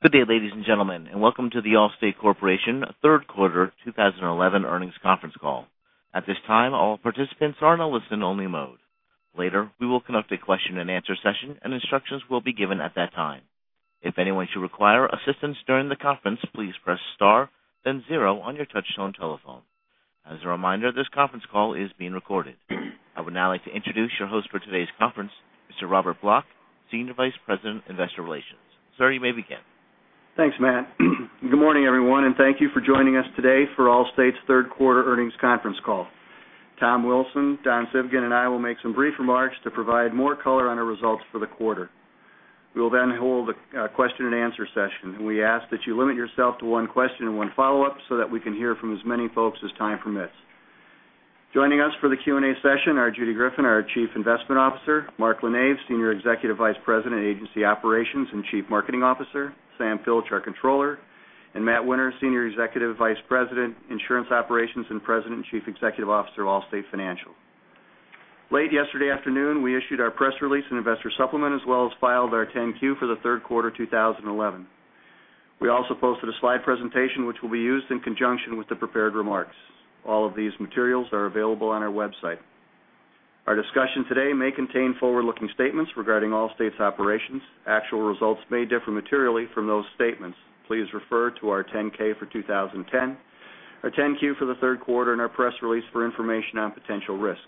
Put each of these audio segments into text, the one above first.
Good day, ladies and gentlemen, and welcome to The Allstate Corporation third quarter 2011 earnings conference call. At this time, all participants are in a listen-only mode. Later, we will conduct a question and answer session, and instructions will be given at that time. If anyone should require assistance during the conference, please press star then zero on your touchtone telephone. As a reminder, this conference call is being recorded. I would now like to introduce your host for today's conference, Mr. Robert Block, Senior Vice President, Investor Relations. Sir, you may begin. Thanks, Matt. Good morning, everyone, and thank you for joining us today for Allstate's third quarter earnings conference call. Tom Wilson, Don Civgin, and I will make some brief remarks to provide more color on our results for the quarter. We will then hold a question and answer session, and we ask that you limit yourself to one question and one follow-up so that we can hear from as many folks as time permits. Joining us for the Q&A session are Judy Greffin, our Chief Investment Officer; Mark LaNeve, Senior Executive Vice President, Agency Operations, and Chief Marketing Officer; Sam Pilch, our Controller; and Matthew Winter, Senior Executive Vice President, Insurance Operations, and President and Chief Executive Officer of Allstate Financial. Late yesterday afternoon, we issued our press release and investor supplement, as well as filed our 10-Q for the third quarter 2011. We also posted a slide presentation, which will be used in conjunction with the prepared remarks. All of these materials are available on our website. Our discussion today may contain forward-looking statements regarding Allstate's operations. Actual results may differ materially from those statements. Please refer to our 10-K for 2010, our 10-Q for the third quarter, and our press release for information on potential risks.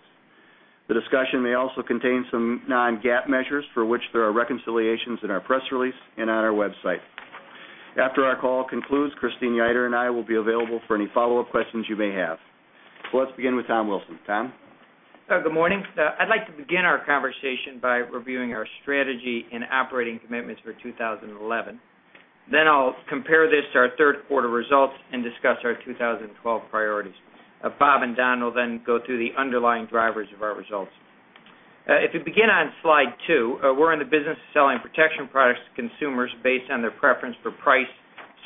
The discussion may also contain some non-GAAP measures for which there are reconciliations in our press release and on our website. After our call concludes, Christine Ieuter and I will be available for any follow-up questions you may have. Let's begin with Tom Wilson. Tom? Good morning. I'd like to begin our conversation by reviewing our strategy and operating commitments for 2011. I'll compare this to our third quarter results and discuss our 2012 priorities. Bob and Don will then go through the underlying drivers of our results. If you begin on slide two, we're in the business of selling protection products to consumers based on their preference for price,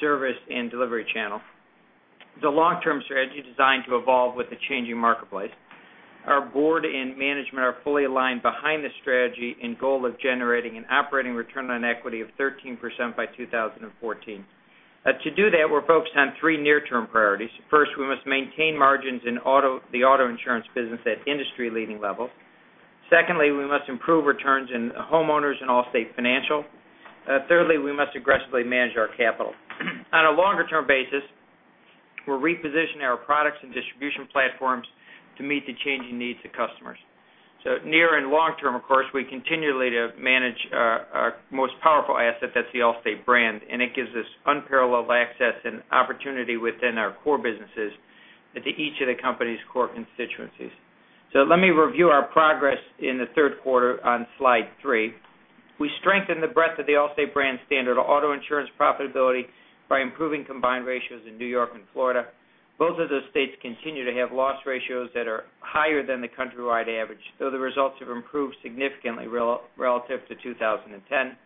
service, and delivery channel. It's a long-term strategy designed to evolve with the changing marketplace. Our board and management are fully aligned behind the strategy and goal of generating an operating return on equity of 13% by 2014. To do that, we're focused on three near-term priorities. First, we must maintain margins in the auto insurance business at industry-leading levels. Secondly, we must improve returns in homeowners and Allstate Financial. Thirdly, we must aggressively manage our capital. On a longer-term basis, we'll reposition our products and distribution platforms to meet the changing needs of customers. Near and long term, of course, we continually manage our most powerful asset. That's the Allstate brand, and it gives us unparalleled access and opportunity within our core businesses and to each of the company's core constituencies. Let me review our progress in the third quarter on slide three. We strengthened the breadth of the Allstate brand standard auto insurance profitability by improving combined ratios in N.Y. and Florida. Both of those states continue to have loss ratios that are higher than the countrywide average, though the results have improved significantly relative to 2010,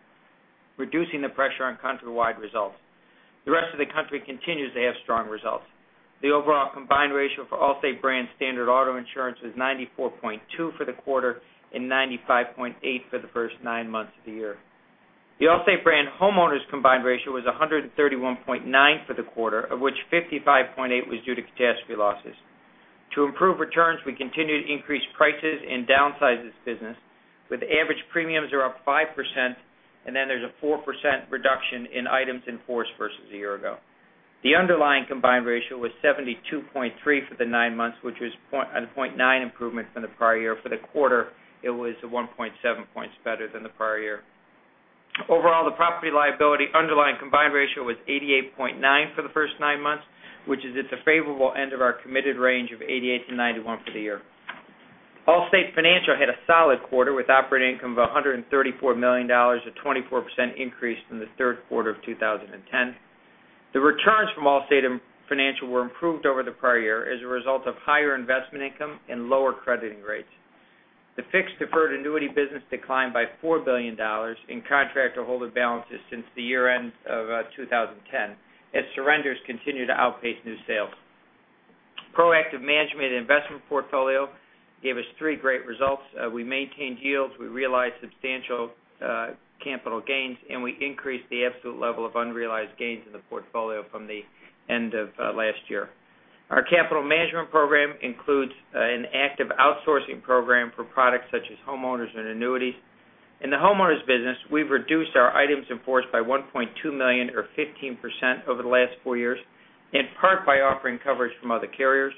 reducing the pressure on countrywide results. The rest of the country continues to have strong results. The overall combined ratio for Allstate brand standard auto insurance was 94.2 for the quarter and 95.8 for the first nine months of the year. The Allstate brand homeowners combined ratio was 131.9 for the quarter, of which 55.8 was due to catastrophe losses. To improve returns, we continued to increase prices and downsize this business, with average premiums are up 5%, and then there's a 4% reduction in items in force versus a year ago. The underlying combined ratio was 72.3 for the nine months, which was a 0.9 improvement from the prior year. For the quarter, it was 1.7 points better than the prior year. Overall, the property liability underlying combined ratio was 88.9 for the first nine months, which is at the favorable end of our committed range of 88-91 for the year. Allstate Financial had a solid quarter, with operating income of $134 million, a 24% increase from the third quarter of 2010. The returns from Allstate Financial were improved over the prior year as a result of higher investment income and lower crediting rates. The fixed deferred annuity business declined by $4 billion in contract or holder balances since the year-end of 2010, as surrenders continue to outpace new sales. Proactive management of the investment portfolio gave us three great results. We maintained yields, we realized substantial capital gains, and we increased the absolute level of unrealized gains in the portfolio from the end of last year. Our capital management program includes an active outsourcing program for products such as homeowners and annuities. In the homeowners business, we've reduced our items in force by 1.2 million or 15% over the last four years, in part by offering coverage from other carriers.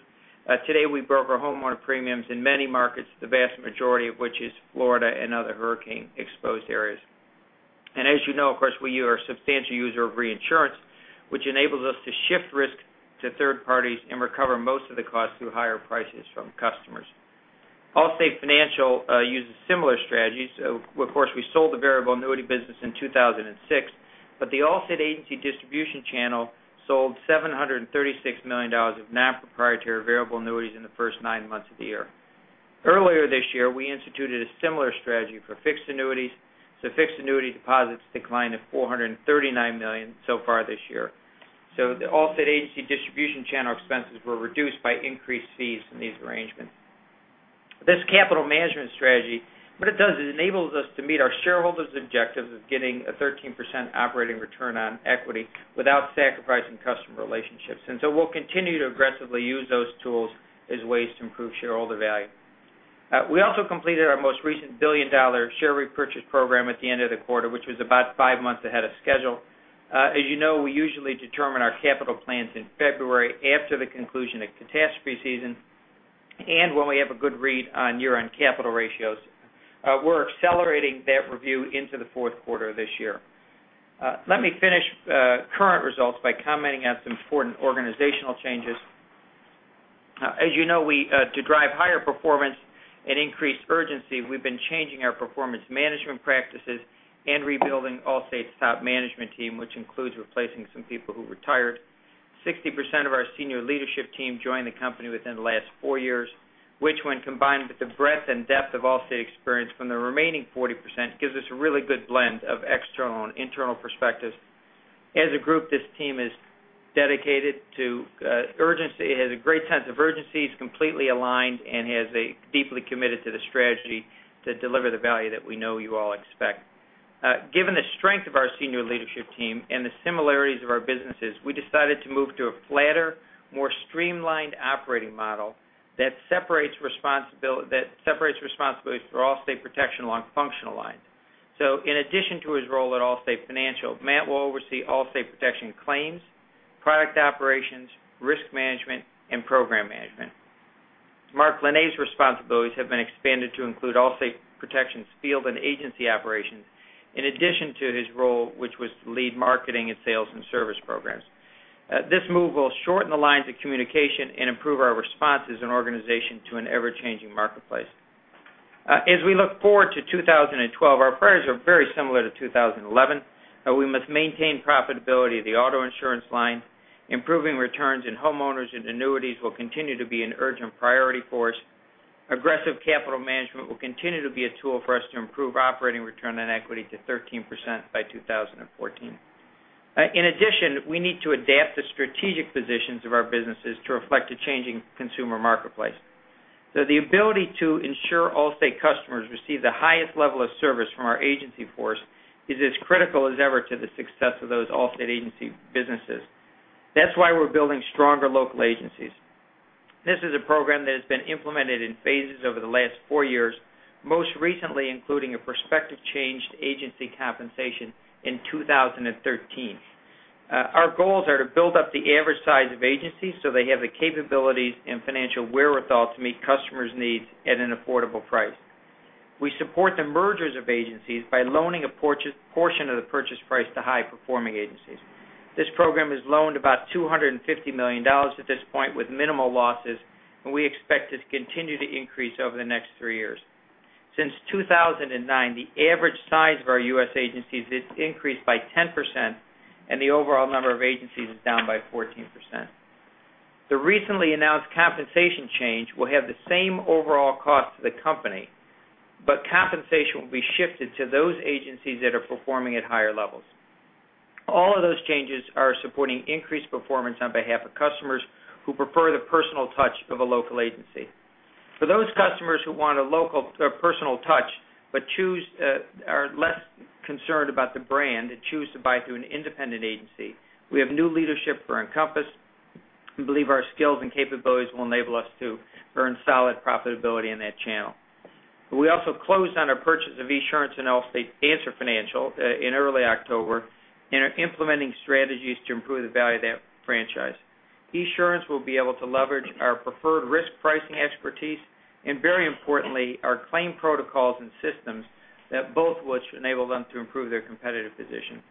Today, we broker homeowner premiums in many markets, the vast majority of which is Florida and other hurricane-exposed areas. As you know, of course, we are a substantial user of reinsurance, which enables us to shift risk to third parties and recover most of the cost through higher prices from customers. Allstate Financial uses similar strategies. Of course, we sold the variable annuity business in 2006, the Allstate agency distribution channel sold $736 million of non-proprietary variable annuities in the first nine months of the year. Earlier this year, we instituted a similar strategy for fixed annuities, fixed annuity deposits declined to $439 million so far this year. The Allstate agency distribution channel expenses were reduced by increased fees from these arrangements. This capital management strategy, what it does is it enables us to meet our shareholders' objectives of getting a 13% operating return on equity without sacrificing customer relationships. We'll continue to aggressively use those tools as ways to improve shareholder value. We also completed our most recent billion-dollar share repurchase program at the end of the quarter, which was about five months ahead of schedule. As you know, we usually determine our capital plans in February after the conclusion of catastrophe season, and when we have a good read on year-end capital ratios. We're accelerating that review into the fourth quarter of this year. Let me finish current results by commenting on some important organizational changes. As you know, to drive higher performance and increase urgency, we've been changing our performance management practices and rebuilding Allstate's top management team, which includes replacing some people who retired. 60% of our senior leadership team joined the company within the last four years, which when combined with the breadth and depth of Allstate experience from the remaining 40%, gives us a really good blend of external and internal perspectives. As a group, this team is dedicated to urgency, has a great sense of urgency, is completely aligned, and is deeply committed to the strategy to deliver the value that we know you all expect. Given the strength of our senior leadership team and the similarities of our businesses, we decided to move to a flatter, more streamlined operating model that separates responsibilities for Allstate Protection along functional lines. In addition to his role at Allstate Financial, Matt will oversee Allstate Protection claims, product operations, risk management, and program management. Mark LaNeve's responsibilities have been expanded to include Allstate Protection's field and agency operations, in addition to his role, which was to lead marketing and sales and service programs. This move will shorten the lines of communication and improve our response as an organization to an ever-changing marketplace. As we look forward to 2012, our priorities are very similar to 2011. We must maintain profitability of the auto insurance line. Improving returns in homeowners and annuities will continue to be an urgent priority for us. Aggressive capital management will continue to be a tool for us to improve operating return on equity to 13% by 2014. In addition, we need to adapt the strategic positions of our businesses to reflect a changing consumer marketplace. The ability to ensure Allstate customers receive the highest level of service from our agency force is as critical as ever to the success of those Allstate agency businesses. That's why we're building stronger local agencies. This is a program that has been implemented in phases over the last four years, most recently including a prospective change to agency compensation in 2013. Our goals are to build up the average size of agencies so they have the capabilities and financial wherewithal to meet customers' needs at an affordable price. We support the mergers of agencies by loaning a portion of the purchase price to high-performing agencies. This program has loaned about $250 million at this point with minimal losses, and we expect it to continue to increase over the next three years. Since 2009, the average size of our U.S. agencies has increased by 10%, and the overall number of agencies is down by 14%. The recently announced compensation change will have the same overall cost to the company, but compensation will be shifted to those agencies that are performing at higher levels. All of those changes are supporting increased performance on behalf of customers who prefer the personal touch of a local agency. For those customers who want a personal touch, but are less concerned about the brand and choose to buy through an independent agency, we have new leadership for Encompass and believe our skills and capabilities will enable us to earn solid profitability in that channel. We also closed on our purchase of Esurance and Allstate Answer Financial in early October and are implementing strategies to improve the value of that franchise. Esurance will be able to leverage our preferred risk pricing expertise, and very importantly, our claim protocols and systems, both of which enable them to improve their competitive position.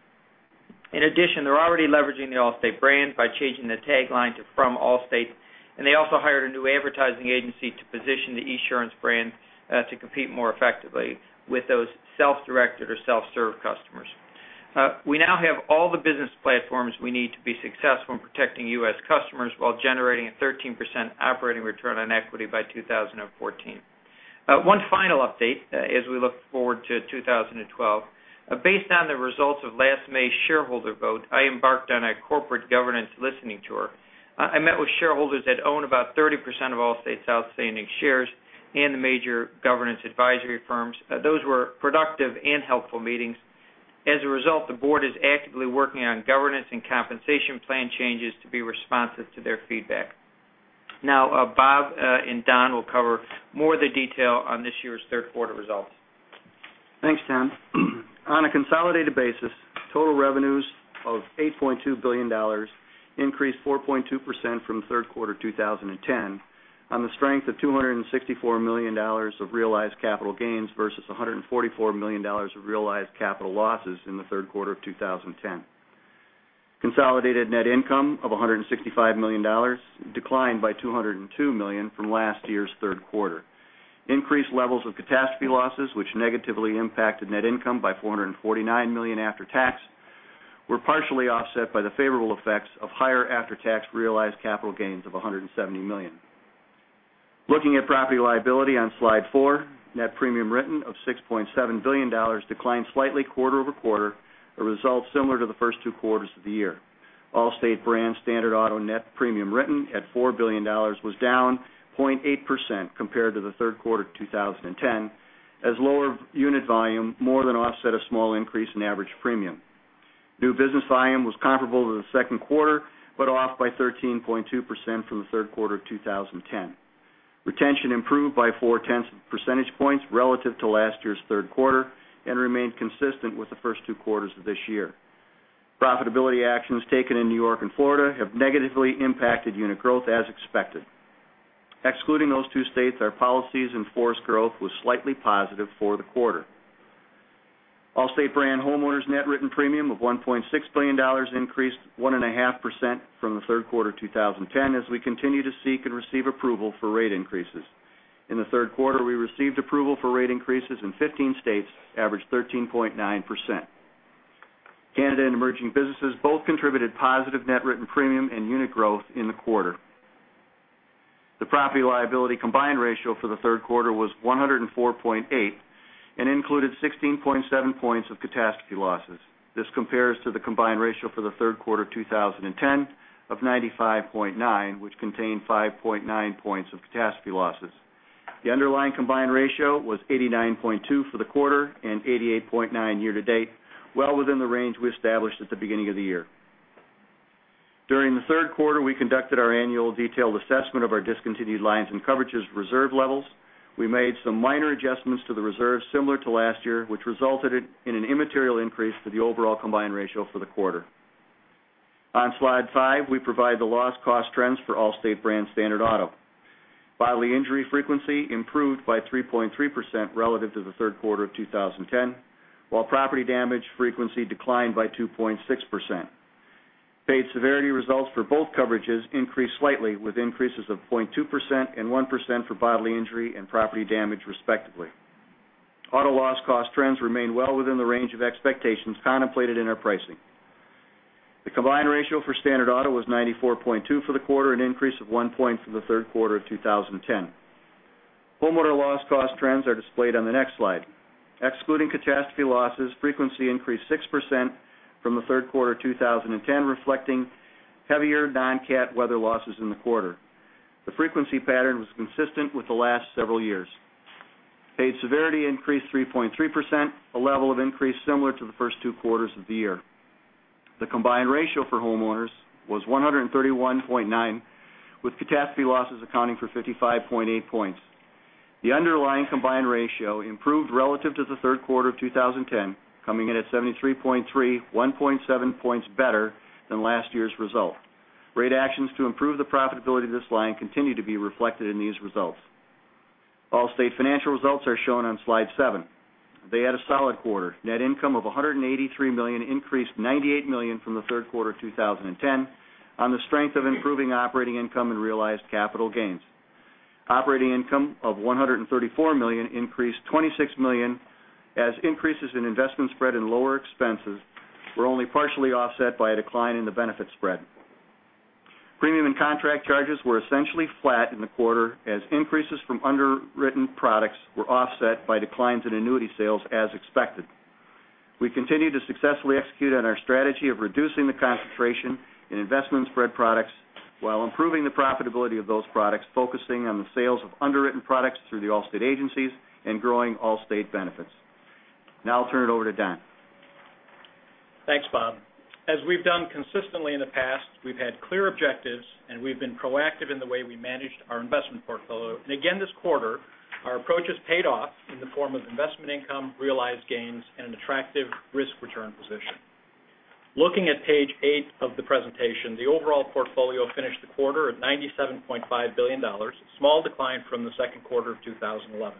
In addition, they're already leveraging the Allstate brand by changing the tagline to From Allstate, and they also hired a new advertising agency to position the Esurance brand to compete more effectively with those self-directed or self-serve customers. We now have all the business platforms we need to be successful in protecting U.S. customers while generating a 13% operating return on equity by 2014. One final update as we look forward to 2012. Based on the results of last May's shareholder vote, I embarked on a corporate governance listening tour. I met with shareholders that own about 30% of Allstate's outstanding shares and the major governance advisory firms. Those were productive and helpful meetings. As a result, the board is actively working on governance and compensation plan changes to be responsive to their feedback. Bob and Don will cover more of the detail on this year's third quarter results. Thanks, Tom. On a consolidated basis, total revenues of $8.2 billion increased 4.2% from the third quarter of 2010 on the strength of $264 million of realized capital gains versus $144 million of realized capital losses in the third quarter of 2010. Consolidated net income of $165 million declined by $202 million from last year's third quarter. Increased levels of catastrophe losses, which negatively impacted net income by $449 million after tax, were partially offset by the favorable effects of higher after-tax realized capital gains of $170 million. Looking at property liability on slide four, net premium written of $6.7 billion declined slightly quarter-over-quarter, a result similar to the first two quarters of the year. Allstate brand standard auto net premium written at $4 billion was down 0.8% compared to the third quarter 2010, as lower unit volume more than offset a small increase in average premium. New business volume was comparable to the second quarter. Off by 13.2% from the third quarter of 2010. Retention improved by 4/10 of percentage points relative to last year's third quarter and remained consistent with the first two quarters of this year. Profitability actions taken in N.Y. and Florida have negatively impacted unit growth as expected. Excluding those two states, our policies in force growth was slightly positive for the quarter. Allstate brand homeowners net written premium of $1.6 billion increased 1.5% from the third quarter 2010, as we continue to seek and receive approval for rate increases. In the third quarter, we received approval for rate increases in 15 states, average 13.9%. Canada and emerging businesses both contributed positive net written premium and unit growth in the quarter. The property & liability combined ratio for the third quarter was 104.8 and included 16.7 points of catastrophe losses. This compares to the combined ratio for the third quarter 2010 of 95.9, which contained 5.9 points of catastrophe losses. The underlying combined ratio was 89.2 for the quarter and 88.9 year-to-date, well within the range we established at the beginning of the year. During the third quarter, we conducted our annual detailed assessment of our discontinued lines and coverages reserve levels. We made some minor adjustments to the reserve similar to last year, which resulted in an immaterial increase to the overall combined ratio for the quarter. On slide five, we provide the loss cost trends for Allstate brand standard auto. Bodily injury frequency improved by 3.3% relative to the third quarter of 2010, while property damage frequency declined by 2.6%. Paid severity results for both coverages increased slightly, with increases of 0.2% and 1% for bodily injury and property damage, respectively. Auto loss cost trends remain well within the range of expectations contemplated in our pricing. The combined ratio for standard auto was 94.2 for the quarter, an increase of one point from the third quarter of 2010. Homeowner loss cost trends are displayed on the next slide. Excluding catastrophe losses, frequency increased 6% from the third quarter 2010, reflecting heavier non-cat weather losses in the quarter. The frequency pattern was consistent with the last several years. Paid severity increased 3.3%, a level of increase similar to the first two quarters of the year. The combined ratio for homeowners was 131.9, with catastrophe losses accounting for 55.8 points. The underlying combined ratio improved relative to the third quarter of 2010, coming in at 73.3, 1.7 points better than last year's result. Rate actions to improve the profitability of this line continue to be reflected in these results. Allstate Financial results are shown on slide seven. They had a solid quarter. Net income of $183 million increased $98 million from the third quarter 2010 on the strength of improving operating income and realized capital gains. Increases in investment spread and lower expenses were only partially offset by a decline in the benefit spread. Premium and contract charges were essentially flat in the quarter. Increases from underwritten products were offset by declines in annuity sales as expected. We continue to successfully execute on our strategy of reducing the concentration in investment spread products while improving the profitability of those products, focusing on the sales of underwritten products through the Allstate agencies and growing Allstate Benefits. Now I'll turn it over to Don. Thanks, Bob. As we've done consistently in the past, we've had clear objectives, and we've been proactive in the way we managed our investment portfolio. Again, this quarter, our approach has paid off in the form of investment income, realized gains, and an attractive risk return position. Looking at page eight of the presentation, the overall portfolio finished the quarter at $97.5 billion, a small decline from the second quarter of 2011.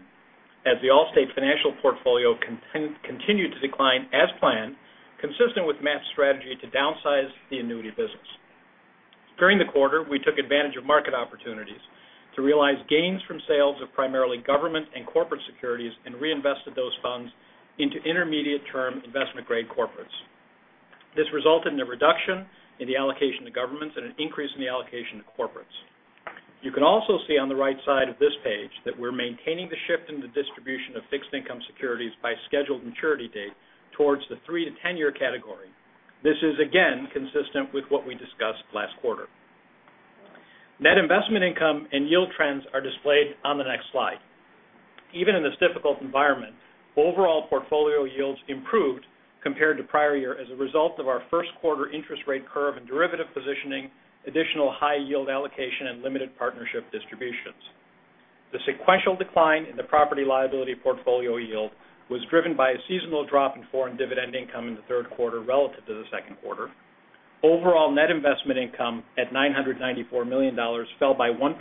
As the Allstate Financial portfolio continued to decline as planned, consistent with Matt's strategy to downsize the annuity business. During the quarter, we took advantage of market opportunities to realize gains from sales of primarily government and corporate securities and reinvested those funds into intermediate term investment grade corporates. This resulted in a reduction in the allocation to governments and an increase in the allocation to corporates. You can also see on the right side of this page that we're maintaining the shift in the distribution of fixed income securities by scheduled maturity date towards the 3 to 10-year category. This is again consistent with what we discussed last quarter. Net investment income and yield trends are displayed on the next slide. Even in this difficult environment, overall portfolio yields improved compared to prior year as a result of our first quarter interest rate curve and derivative positioning, additional high yield allocation, and limited partnership distributions. The sequential decline in the property & liability portfolio yield was driven by a seasonal drop in foreign dividend income in the third quarter relative to the second quarter. Overall net investment income at $994 million fell by 1%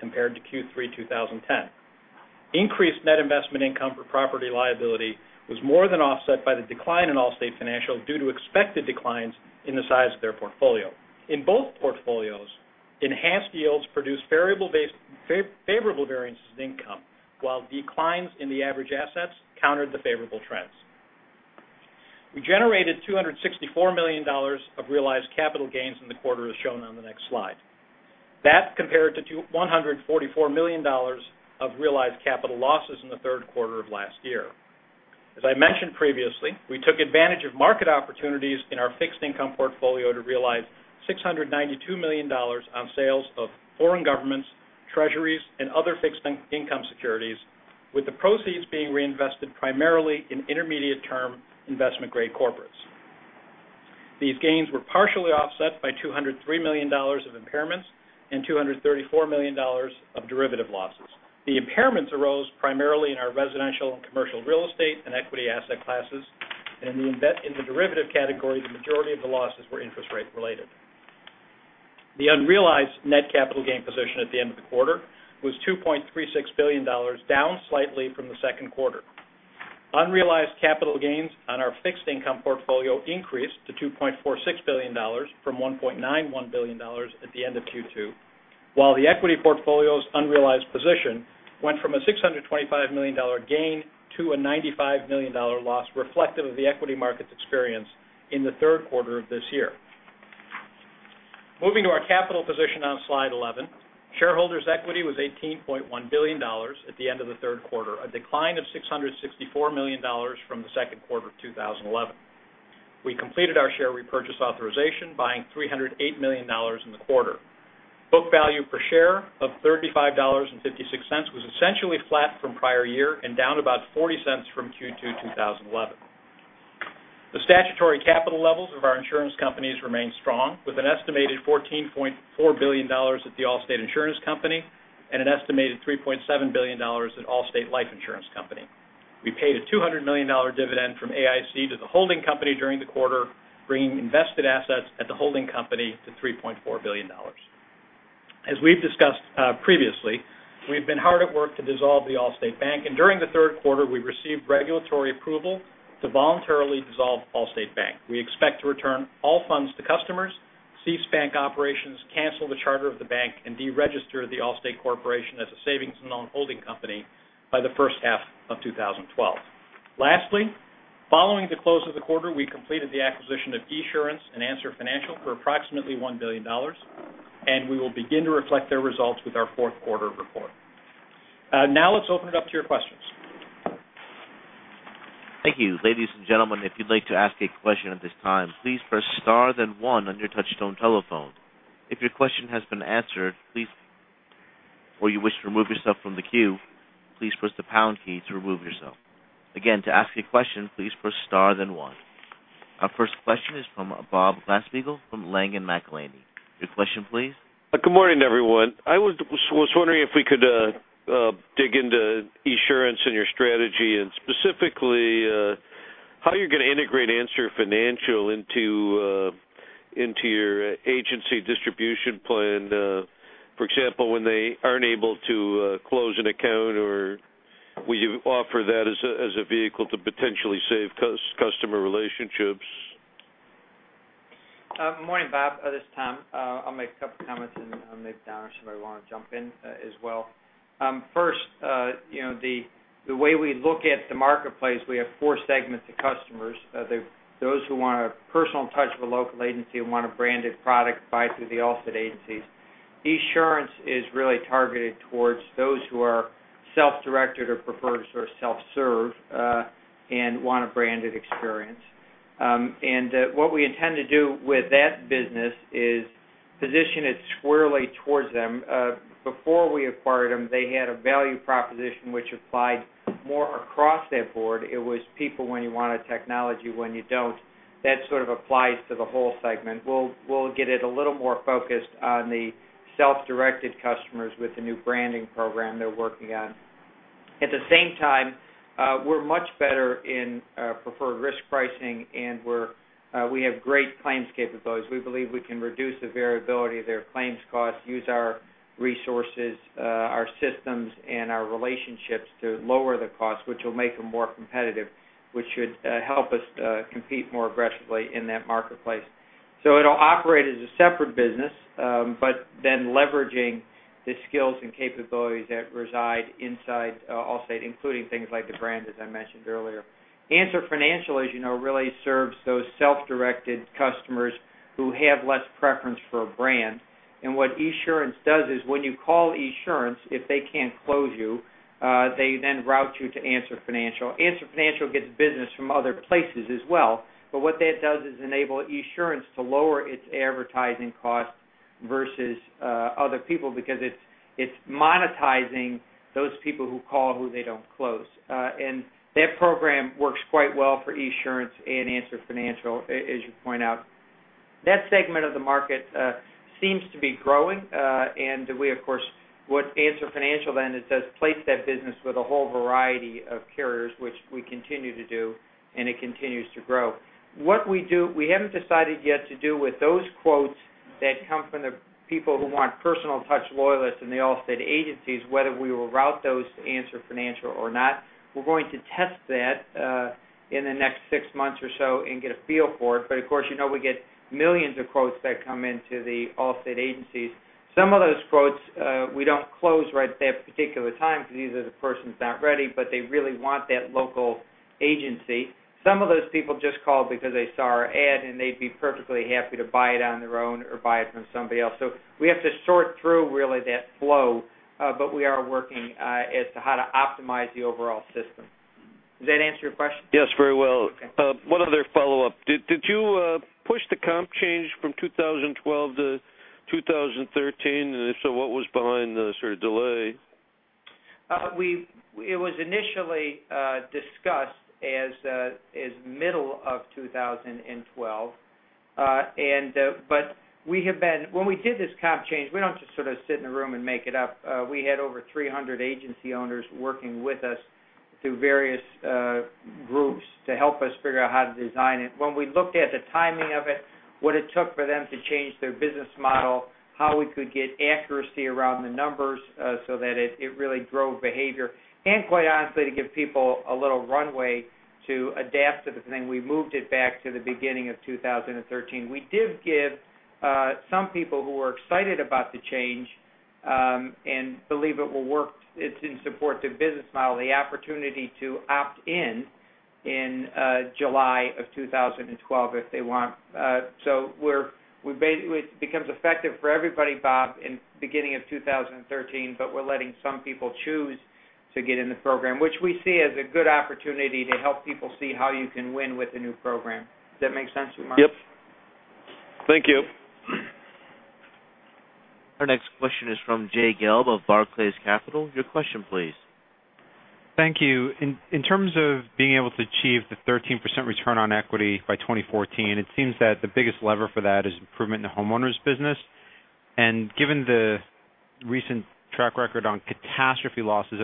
compared to Q3 2010. Increased net investment income for property & liability was more than offset by the decline in Allstate Financial due to expected declines in the size of their portfolio. In both portfolios, enhanced yields produced favorable variances in income, while declines in the average assets countered the favorable trends. We generated $264 million of realized capital gains in the quarter as shown on the next slide. That compared to $144 million of realized capital losses in the third quarter of last year. As I mentioned previously, we took advantage of market opportunities in our fixed income portfolio to realize $692 million on sales of foreign governments, treasuries, and other fixed income securities, with the proceeds being reinvested primarily in intermediate term investment grade corporates. These gains were partially offset by $203 million of impairments and $234 million of derivative losses. The impairments arose primarily in our residential and commercial real estate and equity asset classes, and in the derivative category, the majority of the losses were interest rate related. The unrealized net capital gain position at the end of the quarter was $2.36 billion, down slightly from the second quarter. Unrealized capital gains on our fixed income portfolio increased to $2.46 billion from $1.91 billion at the end of Q2. While the equity portfolio's unrealized position went from a $625 million gain to a $95 million loss, reflective of the equity market's experience in the third quarter of this year. Moving to our capital position on slide 11, shareholders' equity was $18.1 billion at the end of the third quarter, a decline of $664 million from the second quarter of 2011. We completed our share repurchase authorization, buying $308 million in the quarter. Book value per share of $35.56 was essentially flat from prior year and down about $0.40 from Q2 2011. The statutory capital levels of our insurance companies remain strong, with an estimated $14.4 billion at the Allstate Insurance Company and an estimated $3.7 billion at Allstate Life Insurance Company. We paid a $200 million dividend from AIC to the holding company during the quarter, bringing invested assets at the holding company to $3.4 billion. As we've discussed previously, we've been hard at work to dissolve the Allstate Bank, and during the third quarter, we received regulatory approval to voluntarily dissolve Allstate Bank. We expect to return all funds to customers, cease bank operations, cancel the charter of the bank, and deregister The Allstate Corporation as a savings and loan holding company by the first half of 2012. Following the close of the quarter, we completed the acquisition of Esurance and Answer Financial for approximately $1 billion, and we will begin to reflect their results with our fourth quarter report. Now let's open it up to your questions. Thank you. Ladies and gentlemen, if you'd like to ask a question at this time, please press star then one on your touchtone telephone. If your question has been answered or you wish to remove yourself from the queue, please press the pound key to remove yourself. Again, to ask a question, please press star then one. Our first question is from Bob Glasspiegel from Langen Maclany. Your question please. Good morning, everyone. I was wondering if we could dig into Esurance and your strategy, and specifically how you're going to integrate Answer Financial into your agency distribution plan. For example, when they aren't able to close an account, or will you offer that as a vehicle to potentially save customer relationships? Morning, Bob. This is Tom. I'll make a couple comments, and maybe Don or somebody will want to jump in as well. First, the way we look at the marketplace, we have four segments of customers. Those who want a personal touch with a local agency and want a branded product buy through the Allstate agencies. Esurance is really targeted towards those who are self-directed or prefer to sort of self-serve, and want a branded experience. What we intend to do with that business is position it squarely towards them. Before we acquired them, they had a value proposition which applied more across that board. It was people when you want a technology, when you don't. That sort of applies to the whole segment. We'll get it a little more focused on the self-directed customers with the new branding program they're working on. At the same time, we're much better in preferred risk pricing, and we have great claims capabilities. We believe we can reduce the variability of their claims costs, use our resources, our systems, and our relationships to lower the cost, which will make them more competitive, which should help us compete more aggressively in that marketplace. It'll operate as a separate business, leveraging the skills and capabilities that reside inside Allstate, including things like the brand, as I mentioned earlier. Answer Financial, as you know, really serves those self-directed customers who have less preference for a brand. What Esurance does is when you call Esurance, if they can't close you, they then route you to Answer Financial. Answer Financial gets business from other places as well. What that does is enable Esurance to lower its advertising cost versus other people because it's monetizing those people who call who they don't close. That program works quite well for Esurance and Answer Financial, as you point out. That segment of the market seems to be growing. Answer Financial then does is place that business with a whole variety of carriers, which we continue to do, and it continues to grow. We haven't decided yet to do with those quotes that come from the people who want personal touch loyalists in the Allstate agencies, whether we will route those to Answer Financial or not. We're going to test that in the next six months or so and get a feel for it. Of course, you know we get millions of quotes that come into the Allstate agencies. Some of those quotes we don't close right at that particular time because either the person's not ready, they really want that local agency. Some of those people just called because they saw our ad, they'd be perfectly happy to buy it on their own or buy it from somebody else. We have to sort through really that flow, we are working as to how to optimize the overall system. Does that answer your question? Yes, very well. Okay. One other follow-up. The comp change from 2012 to 2013, if so, what was behind the sort of delay? It was initially discussed as middle of 2012. When we did this comp change, we don't just sort of sit in a room and make it up. We had over 300 agency owners working with us through various groups to help us figure out how to design it. When we looked at the timing of it, what it took for them to change their business model, how we could get accuracy around the numbers so that it really drove behavior, quite honestly, to give people a little runway to adapt to the thing, we moved it back to the beginning of 2013. We did give some people who were excited about the change, believe it will work, it's in support to business model, the opportunity to opt in in July of 2012 if they want. It becomes effective for everybody, Bob, in beginning of 2013, we're letting some people choose to get in the program, which we see as a good opportunity to help people see how you can win with the new program. Does that make sense, Mark? Yep. Thank you. Our next question is from Jay Gelb of Barclays Capital. Your question please. Thank you. In terms of being able to achieve the 13% return on equity by 2014, it seems that the biggest lever for that is improvement in the homeowners business. Given the recent track record on catastrophe losses,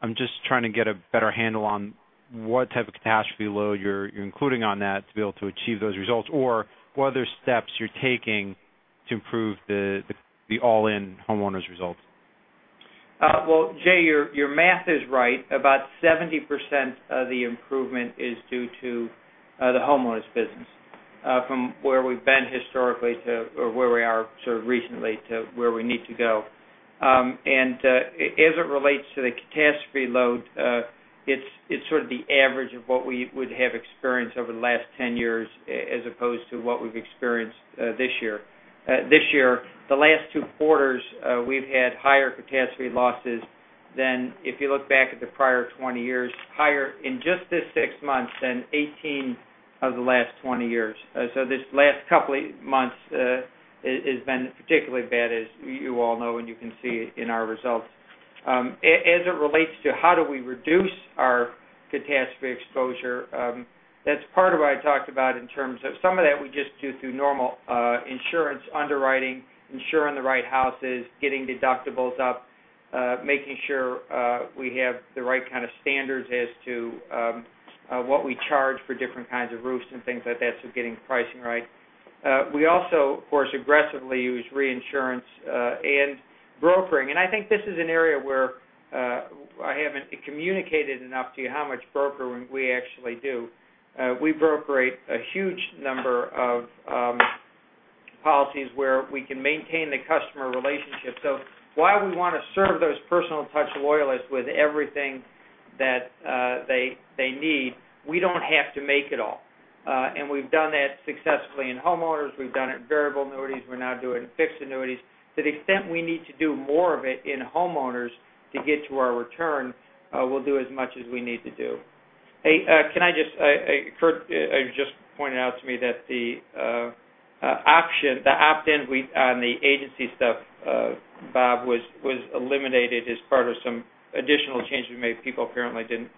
I'm just trying to get a better handle on what type of catastrophe load you're including on that to be able to achieve those results, or what other steps you're taking to improve the all-in homeowners results. Well, Jay, your math is right. About 70% of the improvement is due to the homeowners business, from where we've been historically to where we are sort of recently to where we need to go. As it relates to the catastrophe load, it's sort of the average of what we would have experienced over the last 10 years as opposed to what we've experienced this year. This year, the last two quarters, we've had higher catastrophe losses than if you look back at the prior 20 years, higher in just this six months than 18 of the last 20 years. This last couple of months has been particularly bad as you all know and you can see in our results. As it relates to how do we reduce our catastrophe exposure, that is part of what I talked about in terms of some of that we just do through normal insurance underwriting, insuring the right houses, getting deductibles up, making sure we have the right kind of standards as to what we charge for different kinds of roofs and things like that, so getting the pricing right. We also, of course, aggressively use reinsurance and brokering. I think this is an area where I haven't communicated enough to you how much brokering we actually do. We broker a huge number of policies where we can maintain the customer relationship. While we want to serve those personal touch loyalists with everything that they need, we don't have to make it all. We've done that successfully in homeowners, we've done it in variable annuities, we're now doing it in fixed annuities. To the extent we need to do more of it in homeowners to get to our return, we'll do as much as we need to do. Kurt just pointed out to me that the opt-in on the agency stuff, Bob, was eliminated as part of some additional changes we made. People apparently didn't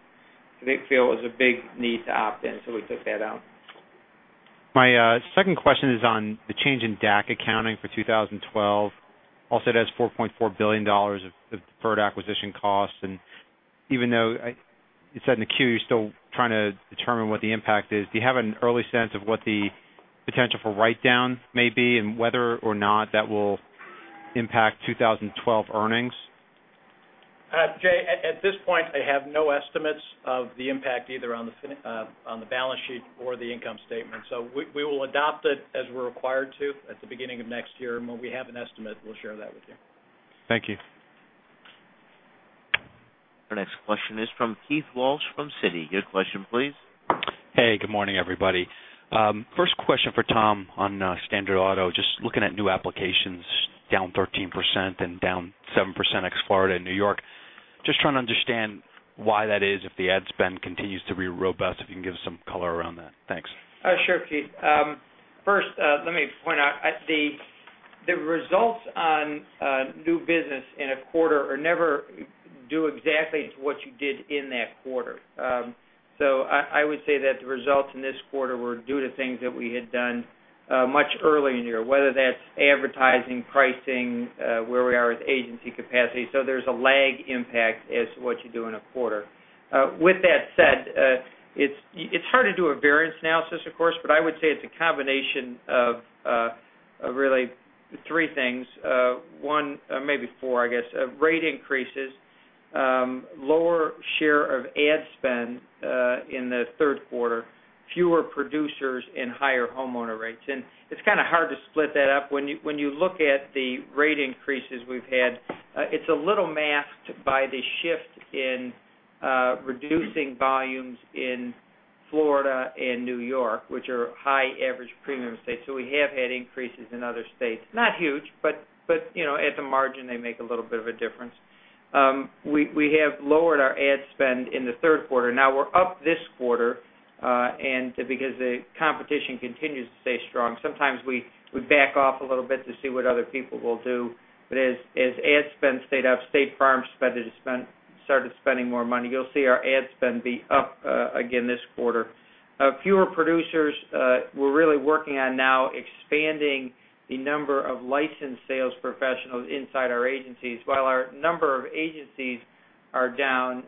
feel it was a big need to opt in, we took that out. My second question is on the change in DAC accounting for 2012. It has $4.4 billion of deferred acquisition costs, even though you said in the 10-Q you're still trying to determine what the impact is, do you have an early sense of what the potential for write down may be, and whether or not that will impact 2012 earnings? Jay, at this point, I have no estimates of the impact either on the balance sheet or the income statement. We will adopt it as we're required to at the beginning of next year. When we have an estimate, we'll share that with you. Thank you. Our next question is from Keith Walsh from Citi. Your question, please. Hey, good morning, everybody. First question for Tom on standard auto, just looking at new applications down 13% and down 7% ex Florida and New York. Just trying to understand why that is if the ad spend continues to be robust, if you can give us some color around that. Thanks. Sure, Keith. First, let me point out, the results on new business in a quarter are never due exactly to what you did in that quarter. I would say that the results in this quarter were due to things that we had done much earlier in the year, whether that's advertising, pricing, where we are with agency capacity. There's a lag impact as to what you do in a quarter. With that said, it's hard to do a variance analysis, of course, but I would say it's a combination of really three things. One, maybe four, I guess. Rate increases, lower share of ad spend in the third quarter, fewer producers, and higher homeowner rates. It's kind of hard to split that up. When you look at the rate increases we've had, it's a little masked by the shift in reducing volumes in Florida and New York, which are high average premium states. We have had increases in other states. Not huge, but at the margin, they make a little bit of a difference. We have lowered our ad spend in the third quarter. Now we're up this quarter because the competition continues to stay strong. Sometimes we back off a little bit to see what other people will do. As ad spend stayed up, State Farm started spending more money. You'll see our ad spend be up again this quarter. Fewer producers. We're really working on now expanding the number of licensed sales professionals inside our agencies. While our number of agencies are down,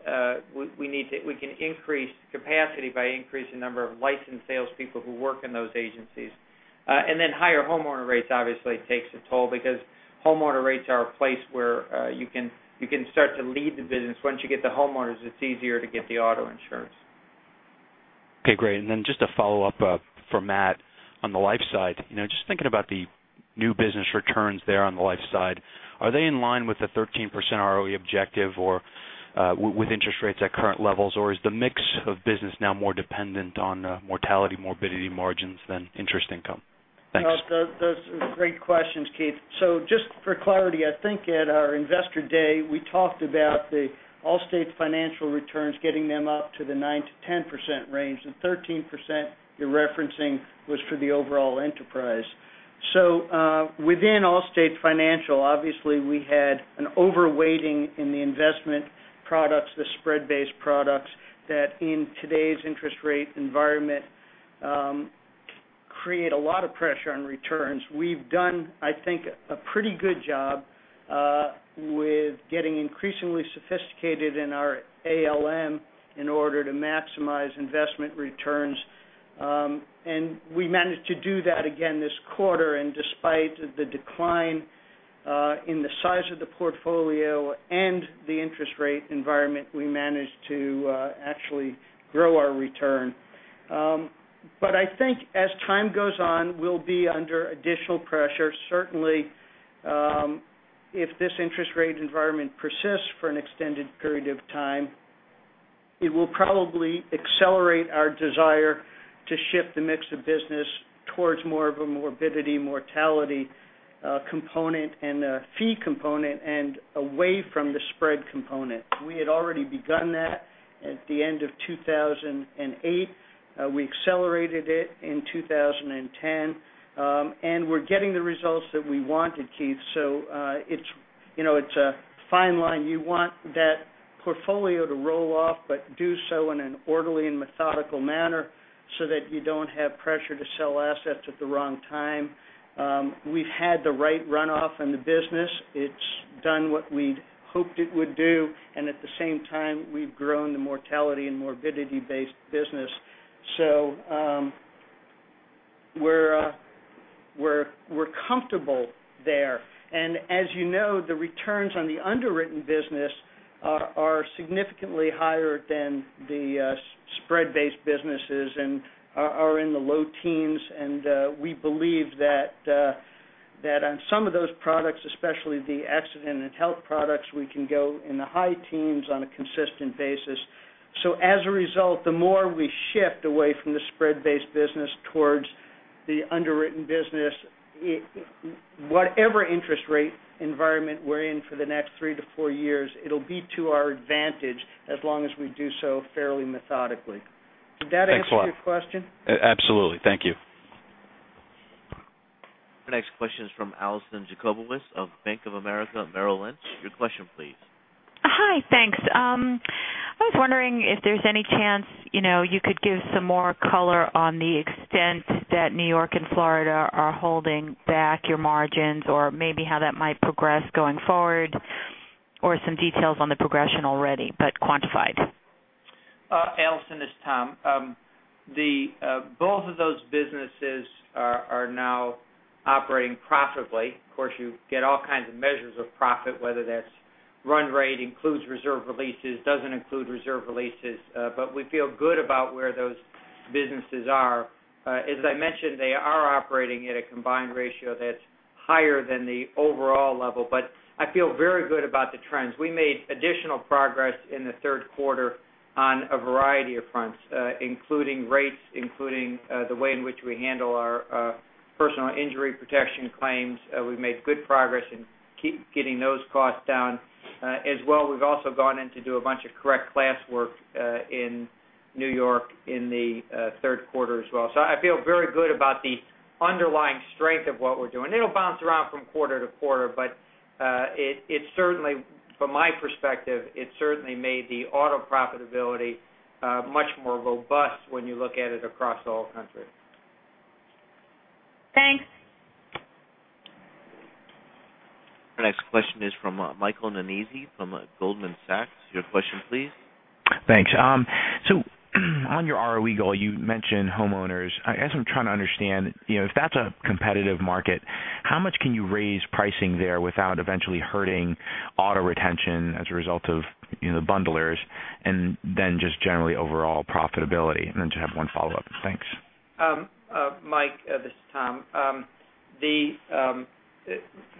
we can increase capacity by increasing the number of licensed salespeople who work in those agencies. Higher homeowner rates obviously takes a toll because homeowner rates are a place where you can start to lead the business. Once you get the homeowners, it's easier to get the auto insurance. Okay, great. Just a follow-up for Matt on the life side. Just thinking about the new business returns there on the life side, are they in line with the 13% ROE objective or with interest rates at current levels? Is the mix of business now more dependent on mortality, morbidity margins than interest income? Thanks. Those are great questions, Keith. Just for clarity, I think at our investor day, we talked about the Allstate Financial returns, getting them up to the 9%-10% range. The 13% you're referencing was for the overall enterprise. Within Allstate Financial, obviously, we had an overweighting in the investment products, the spread-based products that in today's interest rate environment, create a lot of pressure on returns. We've done, I think, a pretty good job with getting increasingly sophisticated in our ALM in order to maximize investment returns. We managed to do that again this quarter. Despite the decline in the size of the portfolio and the interest rate environment, we managed to actually grow our return. I think as time goes on, we'll be under additional pressure. Certainly, if this interest rate environment persists for an extended period of time, it will probably accelerate our desire to shift the mix of business towards more of a morbidity, mortality component and a fee component and away from the spread component. We had already begun that at the end of 2008. We accelerated it in 2010. We're getting the results that we wanted, Keith. It's a fine line. You want that portfolio to roll off, but do so in an orderly and methodical manner so that you don't have pressure to sell assets at the wrong time. We've had the right runoff in the business. It's done what we'd hoped it would do, and at the same time, we've grown the mortality and morbidity-based business. We're comfortable there. As you know, the returns on the underwritten business are significantly higher than the spread-based businesses and are in the low teens. We believe that on some of those products, especially the accident and health products, we can go in the high teens on a consistent basis. As a result, the more we shift away from the spread-based business towards the underwritten business, whatever interest rate environment we're in for the next three to four years, it'll be to our advantage as long as we do so fairly methodically. Did that answer your question? Absolutely. Thank you. The next question is from Alison Jacobovitz of Bank of America, Merrill Lynch. Your question please. Hi, thanks. I was wondering if there's any chance you could give some more color on the extent that New York and Florida are holding back your margins or maybe how that might progress going forward, or some details on the progression already, but quantified. Alison, it's Tom. Both of those businesses are now operating profitably. Of course, you get all kinds of measures of profit, whether that's run rate, includes reserve releases, doesn't include reserve releases, but we feel good about where those businesses are. As I mentioned, they are operating at a combined ratio that's higher than the overall level, but I feel very good about the trends. We made additional progress in the third quarter on a variety of fronts, including rates, including the way in which we handle our personal injury protection claims. We've made good progress in keep getting those costs down. As well, we've also gone in to do a bunch of correct classwork in New York in the third quarter as well. I feel very good about the underlying strength of what we're doing. It'll bounce around from quarter to quarter. From my perspective, it certainly made the auto profitability much more robust when you look at it across all countries. Thanks. Our next question is from Michael Nannizzi from Goldman Sachs. Your question please. Thanks. On your ROE goal, you mentioned homeowners. I guess I'm trying to understand, if that's a competitive market, how much can you raise pricing there without eventually hurting auto retention as a result of the bundlers and then just generally overall profitability? Then just have one follow-up. Thanks. Mike, this is Tom.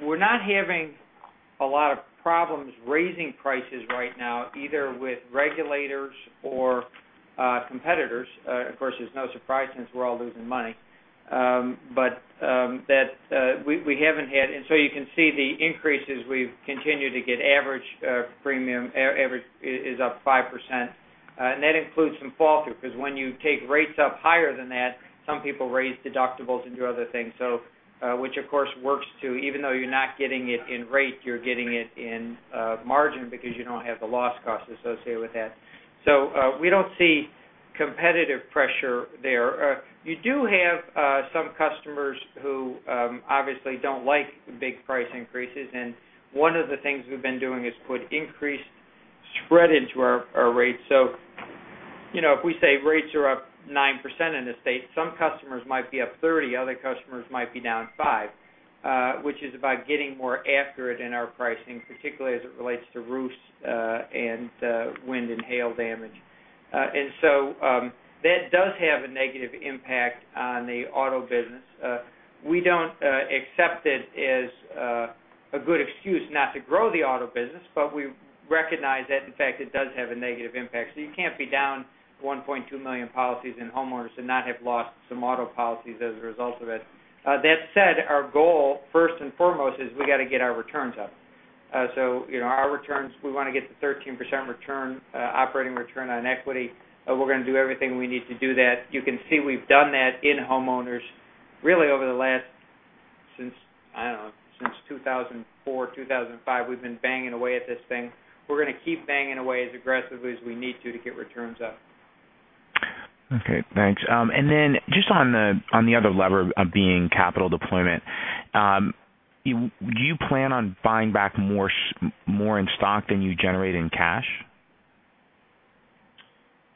We're not having a lot of problems raising prices right now, either with regulators or competitors, of course, there's no surprise since we're all losing money. You can see the increases we've continued to get average premium is up 5%. That includes some fall through, because when you take rates up higher than that, some people raise deductibles and do other things. Which, of course, works too, even though you're not getting it in rate, you're getting it in margin because you don't have the loss cost associated with that. We don't see competitive pressure there. You do have some customers who obviously don't like big price increases, and one of the things we've been doing is put increased spread into our rates. If we say rates are up 9% in the state, some customers might be up 30%, other customers might be down 5%, which is about getting more accurate in our pricing, particularly as it relates to roofs, and wind and hail damage. That does have a negative impact on the auto business. We don't accept it as a good excuse not to grow the auto business. We recognize that, in fact, it does have a negative impact, so you can't be down 1.2 million policies in homeowners and not have lost some auto policies as a result of it. That said, our goal, first and foremost, is we got to get our returns up. Our returns, we want to get to 13% operating return on equity. We're going to do everything we need to do that. You can see we've done that in homeowners really over the last, since, I don't know, since 2004, 2005, we've been banging away at this thing. We're going to keep banging away as aggressively as we need to get returns up. Okay, thanks. Then just on the other lever of being capital deployment, do you plan on buying back more in stock than you generate in cash?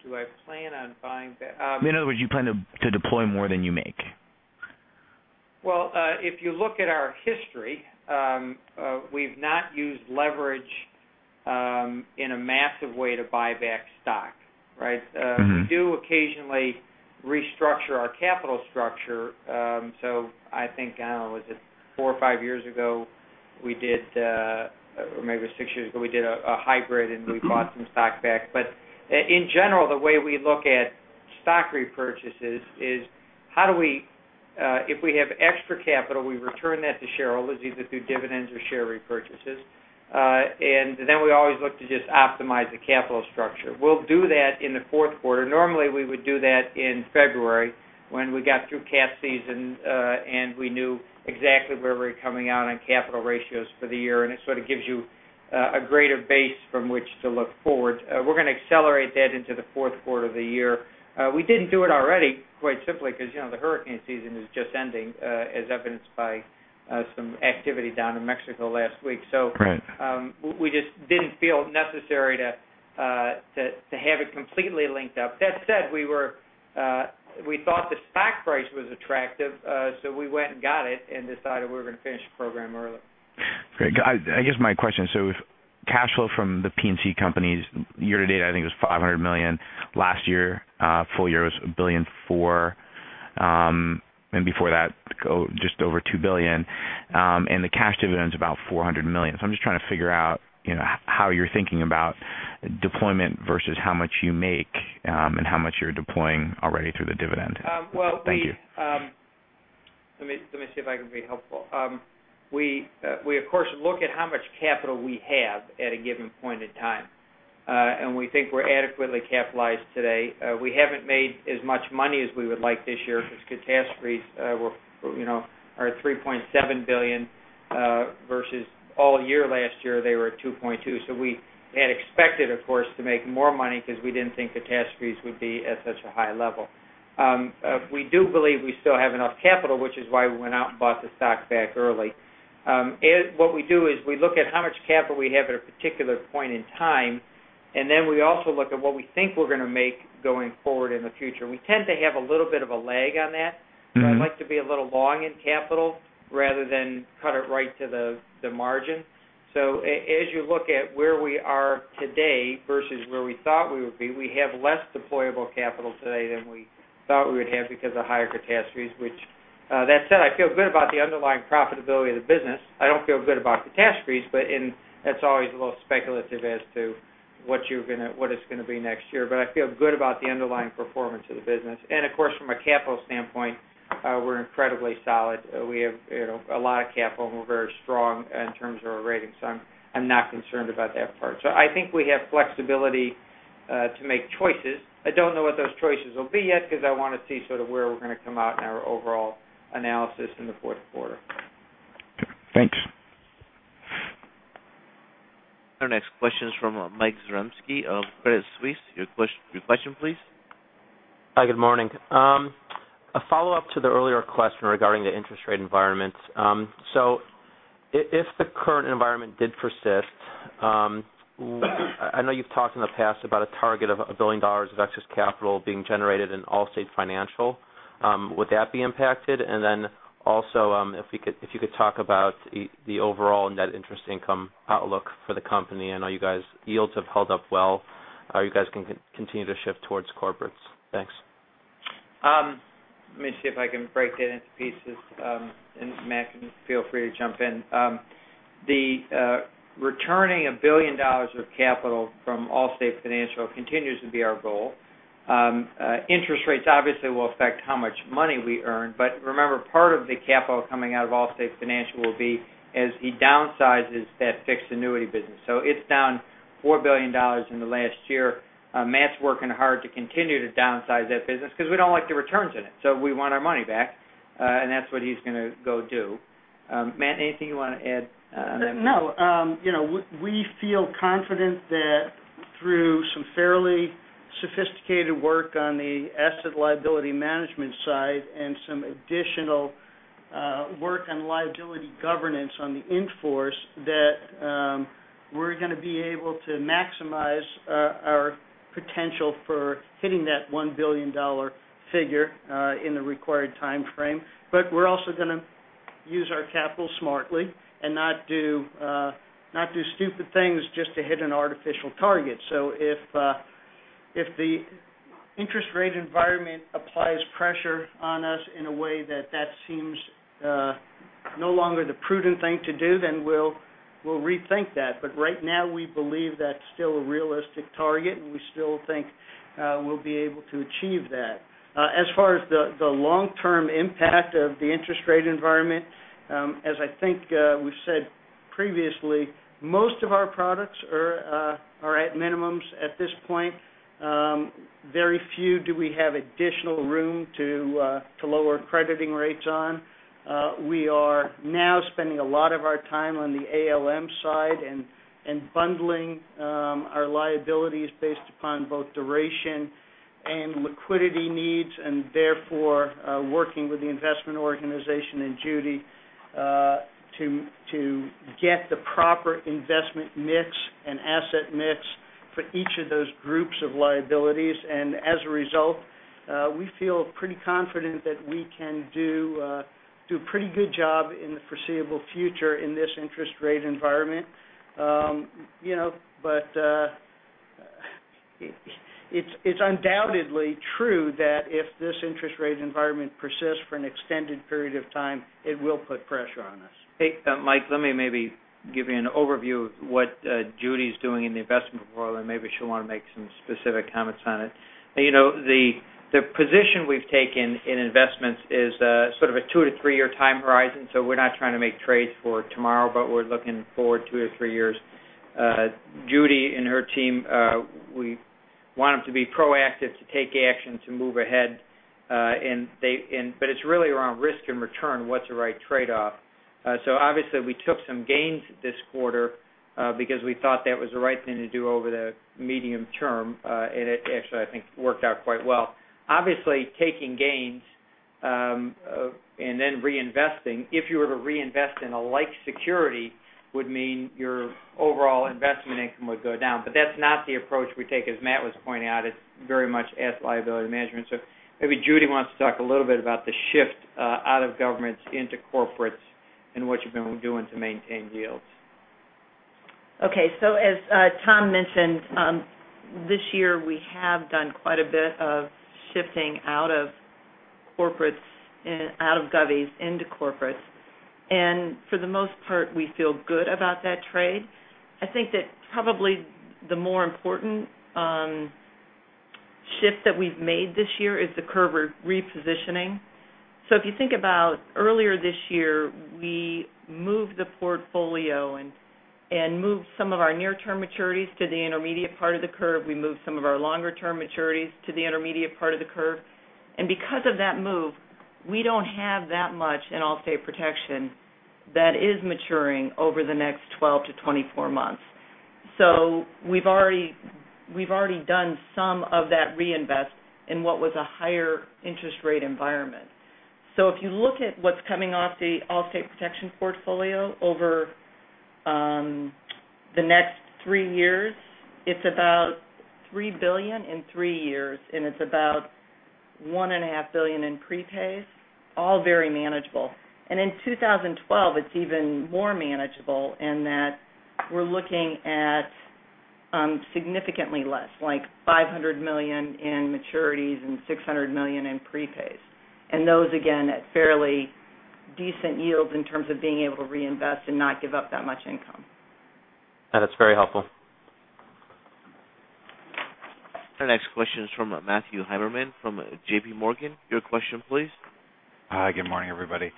Do I plan on buying back- In other words, do you plan to deploy more than you make? Well, if you look at our history, we've not used leverage in a massive way to buy back stock. Right? We do occasionally restructure our capital structure. I think, I don't know, was it four or five years ago, or maybe it was six years ago, we did a hybrid, and we bought some stock back. In general, the way we look at stock repurchases is, if we have extra capital, we return that to shareholders, either through dividends or share repurchases. We always look to just optimize the capital structure. We'll do that in the fourth quarter. Normally, we would do that in February when we got through cat season, and we knew exactly where we were coming out on capital ratios for the year, and it sort of gives you a greater base from which to look forward. We're going to accelerate that into the fourth quarter of the year. We didn't do it already, quite simply because the hurricane season is just ending, as evidenced by some activity down in Mexico last week. Right. We just didn't feel necessary to have it completely linked up. That said, we thought the stock price was attractive, we went and got it and decided we were going to finish the program early. Great. I guess my question, if cash flow from the P&C companies year to date, I think it was $500 million. Last year, full year was a $1.4 billion. Before that, just over $2 billion. The cash dividend's about $400 million. I'm just trying to figure out how you're thinking about deployment versus how much you make, and how much you're deploying already through the dividend. Thank you. Well, let me see if I can be helpful. We of course, look at how much capital we have at a given point in time. We think we're adequately capitalized today. We haven't made as much money as we would like this year because catastrophes are $3.7 billion, versus all year last year, they were at $2.2 billion. We had expected, of course, to make more money because we didn't think catastrophes would be at such a high level. We do believe we still have enough capital, which is why we went out and bought the stock back early. What we do is we look at how much capital we have at a particular point in time, and then we also look at what we think we're going to make going forward in the future. We tend to have a little bit of a lag on that. I like to be a little long in capital rather than cut it right to the margin. As you look at where we are today versus where we thought we would be, we have less deployable capital today than we thought we would have because of higher catastrophes, which, that said, I feel good about the underlying profitability of the business. I don't feel good about catastrophes, but that's always a little speculative as to what it's going to be next year. I feel good about the underlying performance of the business. Of course, from a capital standpoint, we're incredibly solid. We have a lot of capital, and we're very strong in terms of our ratings. I'm not concerned about that part. I think we have flexibility to make choices. I don't know what those choices will be yet because I want to see sort of where we're going to come out in our overall analysis in the fourth quarter. Okay, thanks. Our next question is from Michael Zaremski of Credit Suisse. Your question, please. Hi, good morning. A follow-up to the earlier question regarding the interest rate environment. If the current environment did persist, I know you've talked in the past about a target of $1 billion of excess capital being generated in Allstate Financial. Would that be impacted? Also, if you could talk about the overall net interest income outlook for the company. I know you guys' yields have held up well. Are you guys going to continue to shift towards corporates? Thanks. Let me see if I can break that into pieces. Matt, feel free to jump in. The returning $1 billion of capital from Allstate Financial continues to be our goal. Interest rates obviously will affect how much money we earn, remember, part of the capital coming out of Allstate Financial will be as he downsizes that fixed annuity business. It's down $4 billion in the last year. Matt's working hard to continue to downsize that business because we don't like the returns in it. We want our money back, and that's what he's going to go do. Matt, anything you want to add? No. We feel confident that through some fairly sophisticated work on the asset liability management side and some additional work on liability governance on the enforce, that we're going to be able to maximize our potential for hitting that $1 billion figure in the required timeframe. We're also going to use our capital smartly and not do stupid things just to hit an artificial target. If the interest rate environment applies pressure on us in a way that seems no longer the prudent thing to do, we'll rethink that. Right now, we believe that's still a realistic target, and we still think we'll be able to achieve that. As far as the long-term impact of the interest rate environment, as I think we've said previously, most of our products are at minimums at this point. Very few do we have additional room to lower crediting rates on. We are now spending a lot of our time on the ALM side and bundling our liabilities based upon both duration and liquidity needs. Therefore, working with the investment organization and Judy to get the proper investment mix and asset mix for each of those groups of liabilities. As a result, we feel pretty confident that we can do a pretty good job in the foreseeable future in this interest rate environment. It's undoubtedly true that if this interest rate environment persists for an extended period of time, it will put pressure on us. Hey, Mike, let me maybe give you an overview of what Judy's doing in the investment world, and maybe she'll want to make some specific comments on it. The position we've taken in investments is sort of a two to three-year time horizon. We're not trying to make trades for tomorrow, but we're looking forward two or three years. Judy and her team, we want them to be proactive, to take action, to move ahead. It's really around risk and return. What's the right trade-off? Obviously, we took some gains this quarter because we thought that was the right thing to do over the medium term. It actually, I think, worked out quite well. Obviously, taking gains and then reinvesting, if you were to reinvest in a like security, would mean your overall investment income would go down. That's not the approach we take, as Matt was pointing out. It's very much asset liability management. Maybe Judy wants to talk a little bit about the shift out of governments into corporates and what you've been doing to maintain yields. Okay. As Tom mentioned, this year we have done quite a bit of shifting out of govies into corporates. For the most part, we feel good about that trade. I think that probably the more important shift that we've made this year is the curve repositioning. If you think about earlier this year, we moved the portfolio and moved some of our near-term maturities to the intermediate part of the curve. We moved some of our longer-term maturities to the intermediate part of the curve. Because of that move, we don't have that much in Allstate Protection that is maturing over the next 12 to 24 months. We've already done some of that reinvest in what was a higher interest rate environment. If you look at what's coming off the Allstate Protection portfolio over the next three years, it's about $3 billion in three years, and it's about one and a half billion in prepays, all very manageable. In 2012, it's even more manageable in that we're looking at significantly less, like $500 million in maturities and $600 million in prepays. Those, again, at fairly decent yields in terms of being able to reinvest and not give up that much income. That is very helpful. Our next question is from Matthew Heimermann from J.P. Morgan. Your question, please. Hi, good morning, everybody.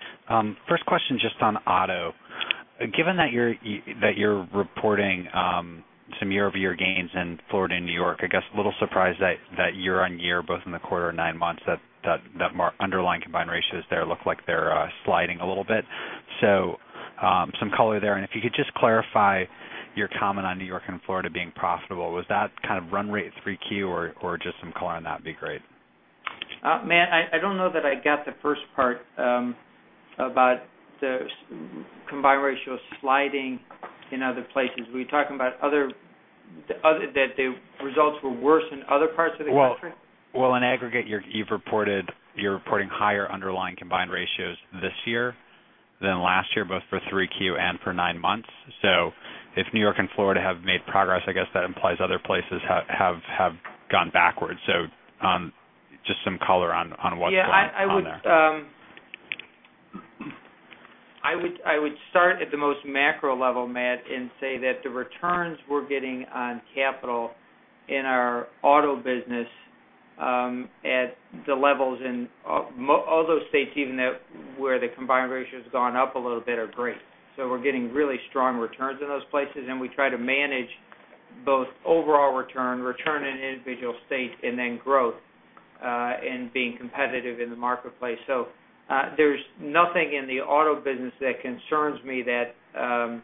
First question, just on auto. Given that you're reporting some year-over-year gains in Florida and New York, I guess a little surprised that year-on-year, both in the quarter and nine months, that underlying combined ratios there look like they're sliding a little bit. Some color there. If you could just clarify your comment on New York and Florida being profitable. Was that kind of run rate 3Q or just some color on that would be great. Matt, I don't know that I got the first part about the combined ratio sliding in other places. Were you talking about that the results were worse in other parts of the country? In aggregate, you're reporting higher underlying combined ratios this year than last year, both for Q3 and for nine months. If New York and Florida have made progress, I guess that implies other places have gone backwards. Just some color on what's going on there. I would start at the most macro level, Matt, and say that the returns we're getting on capital in our auto business, at the levels in all those states, even where the combined ratio has gone up a little bit, are great. We're getting really strong returns in those places, and we try to manage both overall return in an individual state, growth, and being competitive in the marketplace. There's nothing in the auto business that concerns me that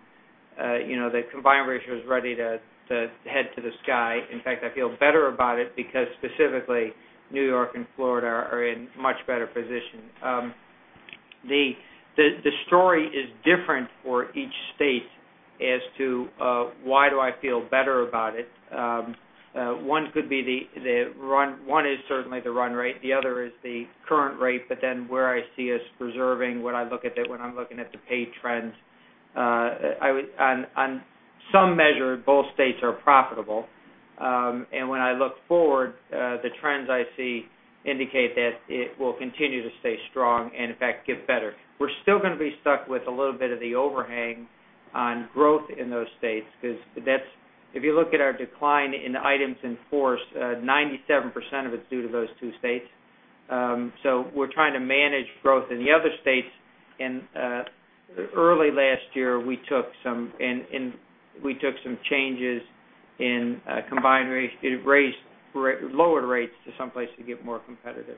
combined ratio is ready to head to the sky. In fact, I feel better about it because specifically New York and Florida are in much better position. The story is different for each state as to why do I feel better about it. One is certainly the run rate, the other is the current rate, where I see us preserving when I'm looking at the paid trends. On some measure, both states are profitable. When I look forward, the trends I see indicate that it will continue to stay strong and in fact, get better. We're still going to be stuck with a little bit of the overhang on growth in those states, because if you look at our decline in the items in force, 97% of it's due to those two states. We're trying to manage growth in the other states. Early last year, we took some changes in combined rates. It lowered rates to some place to get more competitive.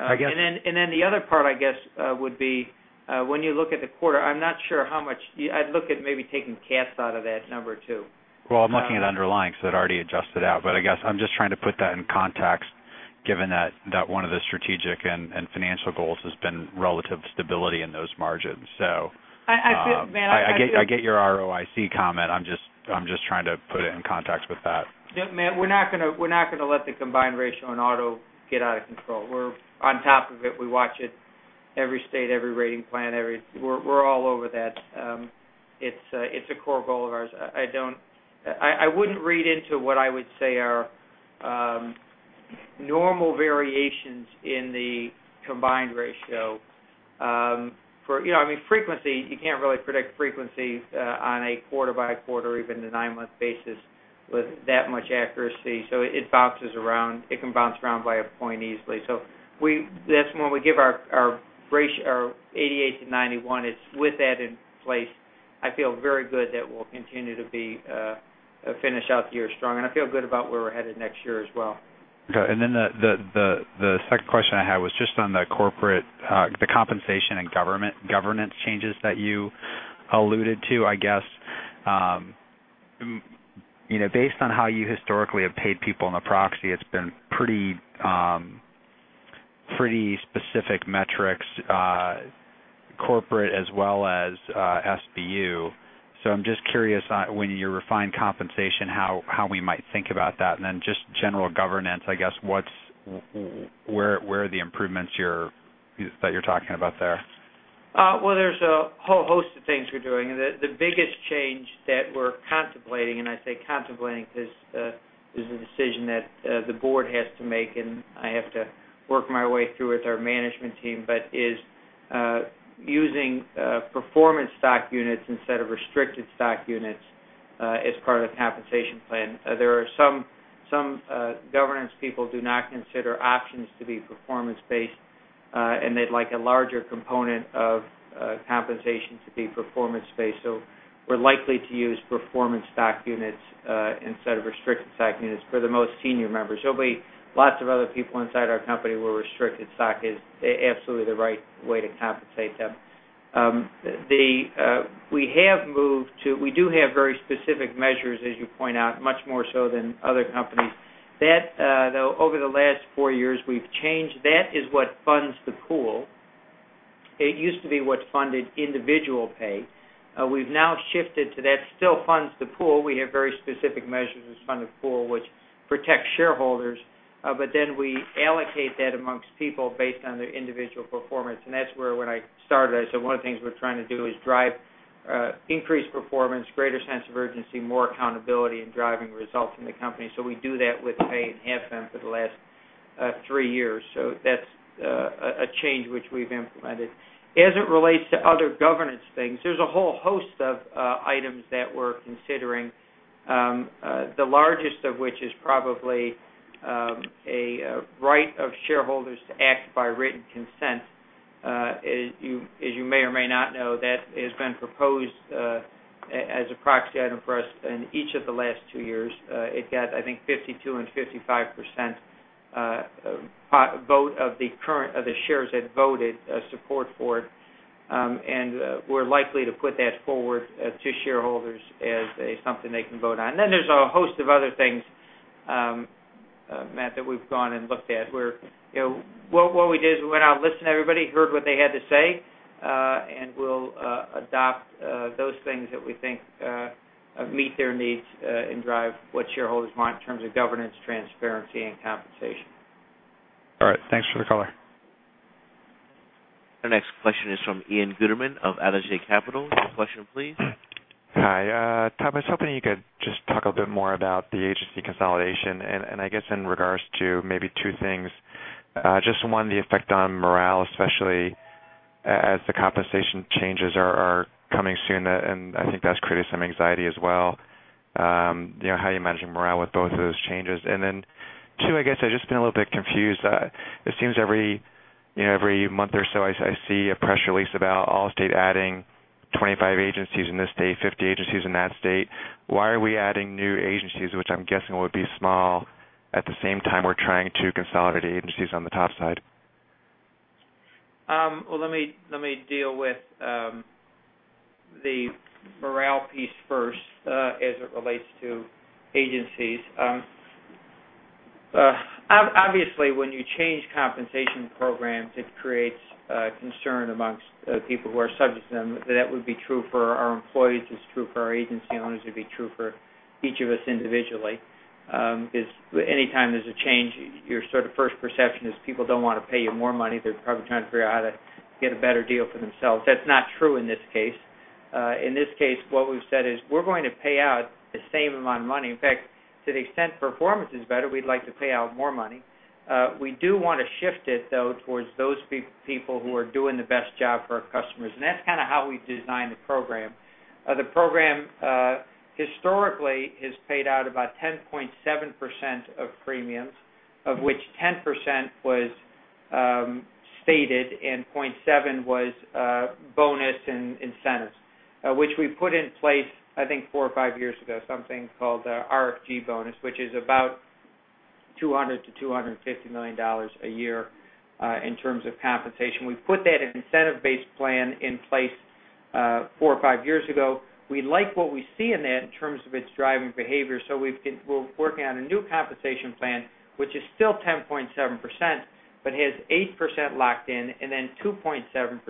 I guess- The other part, I guess, would be, when you look at the quarter, I'm not sure how much. I'd look at maybe taking cash out of that number, too. Well, I'm looking at underlying, so it already adjusted out. I guess I'm just trying to put that in context, given that one of the strategic and financial goals has been relative stability in those margins. I see it, Matt. I do. I get your ROIC comment. I'm just trying to put it in context with that. Matt, we're not going to let the combined ratio in auto get out of control. We're on top of it. We watch it every state, every rating plan. We're all over that. It's a core goal of ours. I wouldn't read into what I would say are normal variations in the combined ratio. Frequency, you can't really predict frequency on a quarter-by-quarter or even the nine-month basis with that much accuracy. It bounces around. It can bounce around by one point easily. That's when we give our 88 to 91. It's with that in place, I feel very good that we'll continue to finish out the year strong. I feel good about where we're headed next year as well. Okay. The second question I had was just on the corporate, the compensation and governance changes that you alluded to. I guess, based on how you historically have paid people in the proxy, it's been pretty specific metrics, corporate as well as SBU. I'm just curious, when you refine compensation, how we might think about that. Just general governance, I guess, where are the improvements that you're talking about there? Well, there's a whole host of things we're doing. The biggest change that we're contemplating, and I say contemplating because this is a decision that the board has to make, and I have to work my way through with our management team. Is using performance stock units instead of restricted stock units as part of the compensation plan. There are some governance people do not consider options to be performance based, and they'd like a larger component of compensation to be performance based. We're likely to use performance stock units, instead of restricted stock units for the most senior members. There'll be lots of other people inside our company where restricted stock is absolutely the right way to compensate them. We do have very specific measures, as you point out, much more so than other companies. That, though, over the last four years, we've changed. That is what funds the pool. It used to be what funded individual pay. We've now shifted to that still funds the pool. We have very specific measures that fund the pool, which protects shareholders. We allocate that amongst people based on their individual performance. That's where when I started, I said one of the things we're trying to do is drive increased performance, greater sense of urgency, more accountability in driving results in the company. We do that with pay and have been for the last three years. That's a change which we've implemented. As it relates to other governance things, there's a whole host of items that we're considering. The largest of which is probably a right of shareholders to act by written consent. As you may or may not know, that has been proposed as a proxy item for us in each of the last two years. It got, I think 52% and 55% vote of the shares that voted support for it. We're likely to put that forward to shareholders as something they can vote on. There's a host of other things, Matt, that we've gone and looked at. What we did is we went out and listened to everybody, heard what they had to say, and we'll adopt those things that we think meet their needs, and drive what shareholders want in terms of governance, transparency, and compensation. All right. Thanks for the call. Our next question is from Ian Gutterman of Allegiance Capital. Your question, please. Hi. Tom, I was hoping you could just talk a bit more about the agency consolidation, and I guess in regards to maybe two things. Just one, the effect on morale, especially as the compensation changes are coming soon, and I think that's created some anxiety as well. How are you managing morale with both of those changes? Then two, I guess I've just been a little bit confused. It seems every month or so I see a press release about Allstate adding 25 agencies in this state, 50 agencies in that state. Why are we adding new agencies, which I'm guessing would be small, at the same time we're trying to consolidate agencies on the top side? Well, let me deal with the morale piece first as it relates to agencies. Obviously, when you change compensation programs, it creates concern amongst people who are subject to them. That would be true for our employees, it's true for our agency owners, it'd be true for each of us individually. Because any time there's a change, your sort of first perception is people don't want to pay you more money. They're probably trying to figure out how to get a better deal for themselves. That's not true in this case. In this case, what we've said is we're going to pay out the same amount of money. In fact, to the extent performance is better, we'd like to pay out more money. We do want to shift it, though, towards those people who are doing the best job for our customers. That's kind of how we've designed the program. The program historically has paid out about 10.7% of premiums, of which 10% was stated and 0.7 was bonus and incentives, which we put in place, I think four or five years ago, something called the RFG bonus, which is about $200 million-$250 million a year in terms of compensation. We put that incentive-based plan in place four or five years ago. We like what we see in that in terms of its driving behavior, so we're working on a new compensation plan, which is still 10.7%, but has 8% locked in and then 2.7%,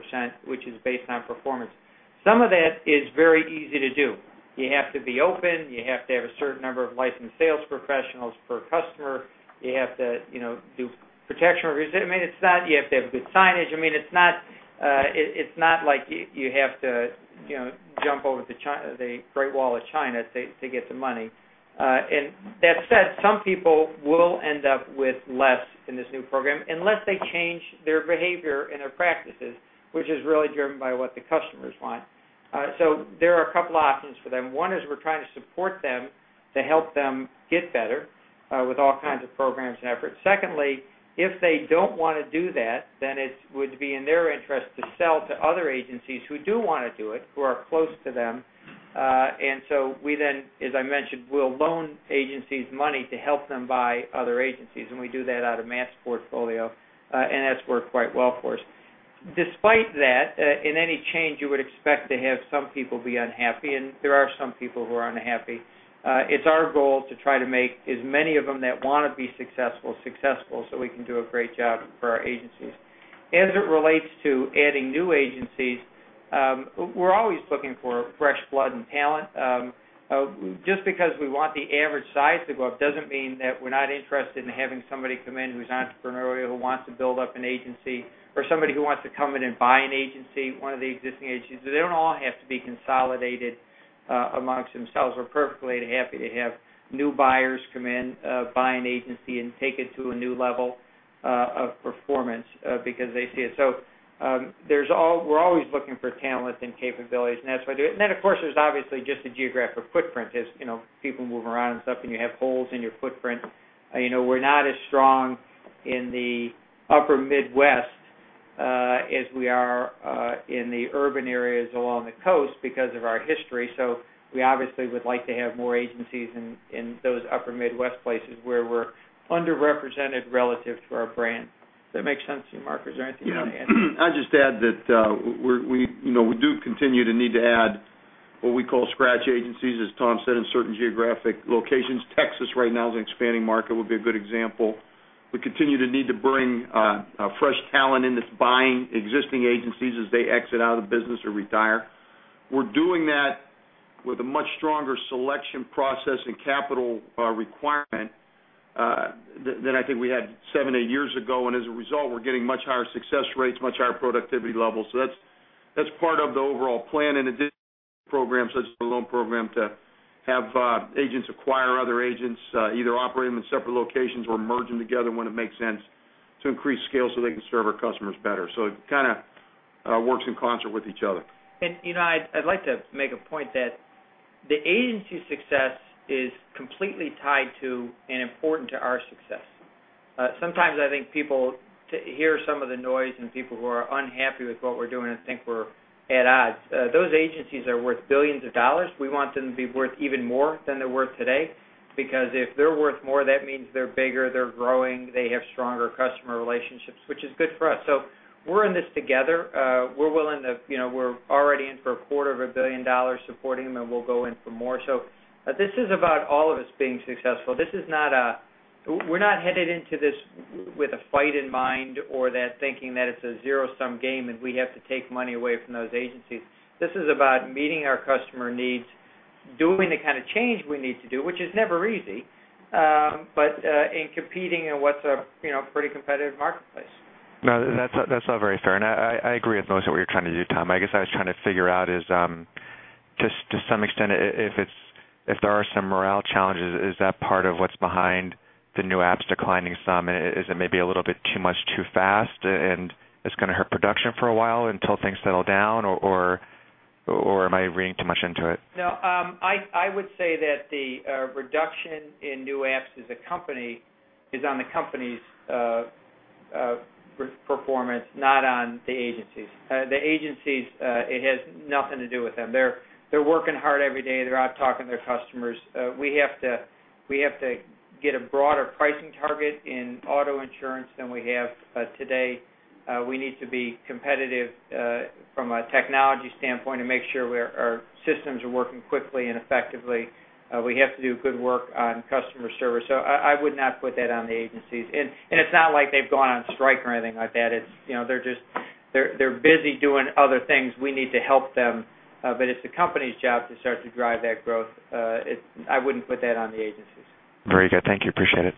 which is based on performance. Some of that is very easy to do. You have to be open. You have to have a certain number of licensed sales professionals per customer. You have to do protection reviews. You have to have good signage. It's not like you have to jump over the Great Wall of China to get the money. That said, some people will end up with less in this new program unless they change their behavior and their practices, which is really driven by what the customers want. There are a couple options for them. One is we're trying to support them to help them get better with all kinds of programs and efforts. Secondly, if they don't want to do that, then it would be in their interest to sell to other agencies who do want to do it, who are close to them. So we then, as I mentioned, will loan agencies money to help them buy other agencies, and we do that out of Mass Portfolio, and that's worked quite well for us. Despite that, in any change, you would expect to have some people be unhappy, and there are some people who are unhappy. It's our goal to try to make as many of them that want to be successful, so we can do a great job for our agencies. As it relates to adding new agencies, we're always looking for fresh blood and talent. Just because we want the average size to go up doesn't mean that we're not interested in having somebody come in who's entrepreneurial, who wants to build up an agency or somebody who wants to come in and buy an agency, one of the existing agencies. They don't all have to be consolidated amongst themselves. We're perfectly happy to have new buyers come in, buy an agency, and take it to a new level of performance because they see it. We're always looking for talent and capabilities, and that's why I do it. Of course, there's obviously just the geographic footprint as people move around and stuff, and you have holes in your footprint. We're not as strong in the upper Midwest as we are in the urban areas along the coast because of our history. We obviously would like to have more agencies in those upper Midwest places where we're underrepresented relative to our brand. Does that make sense to you, Mark? Is there anything you want to add? Yeah. I'll just add that we do continue to need to add what we call scratch agencies, as Tom said, in certain geographic locations. Texas right now is an expanding market, would be a good example. We continue to need to bring fresh talent in that's buying existing agencies as they exit out of the business or retire. We're doing that with a much stronger selection process and capital requirement than I think we had 7, 8 years ago. As a result, we're getting much higher success rates, much higher productivity levels. That's part of the overall plan. In addition to programs such as the loan program to have agents acquire other agents, either operate them in separate locations or merge them together when it makes sense to increase scale so they can serve our customers better. It kind of works in concert with each other. I'd like to make a point that the agency's success is completely tied to and important to our success. Sometimes I think people hear some of the noise and people who are unhappy with what we're doing and think we're at odds. Those agencies are worth billions of dollars. We want them to be worth even more than they're worth today, because if they're worth more, that means they're bigger, they're growing, they have stronger customer relationships, which is good for us. We're in this together. We're already in for a quarter of a billion dollars supporting them, and we'll go in for more. This is about all of us being successful. We're not headed into this with a fight in mind or that thinking that it's a zero-sum game and we have to take money away from those agencies. This is about meeting our customer needs. Doing the kind of change we need to do, which is never easy, but in competing in what's a pretty competitive marketplace. No, that's all very fair. I agree with most of what you're trying to do, Tom. I guess I was trying to figure out is, just to some extent, if there are some morale challenges, is that part of what's behind the new apps declining some? Is it maybe a little bit too much, too fast, and it's going to hurt production for a while until things settle down? Am I reading too much into it? No. I would say that the reduction in new apps as a company is on the company's performance, not on the agencies. The agencies, it has nothing to do with them. They're working hard every day. They're out talking to their customers. We have to get a broader pricing target in auto insurance than we have today. We need to be competitive from a technology standpoint and make sure our systems are working quickly and effectively. We have to do good work on customer service. I would not put that on the agencies. It's not like they've gone on strike or anything like that. They're busy doing other things. We need to help them. It's the company's job to start to drive that growth. I wouldn't put that on the agencies. Very good. Thank you. Appreciate it.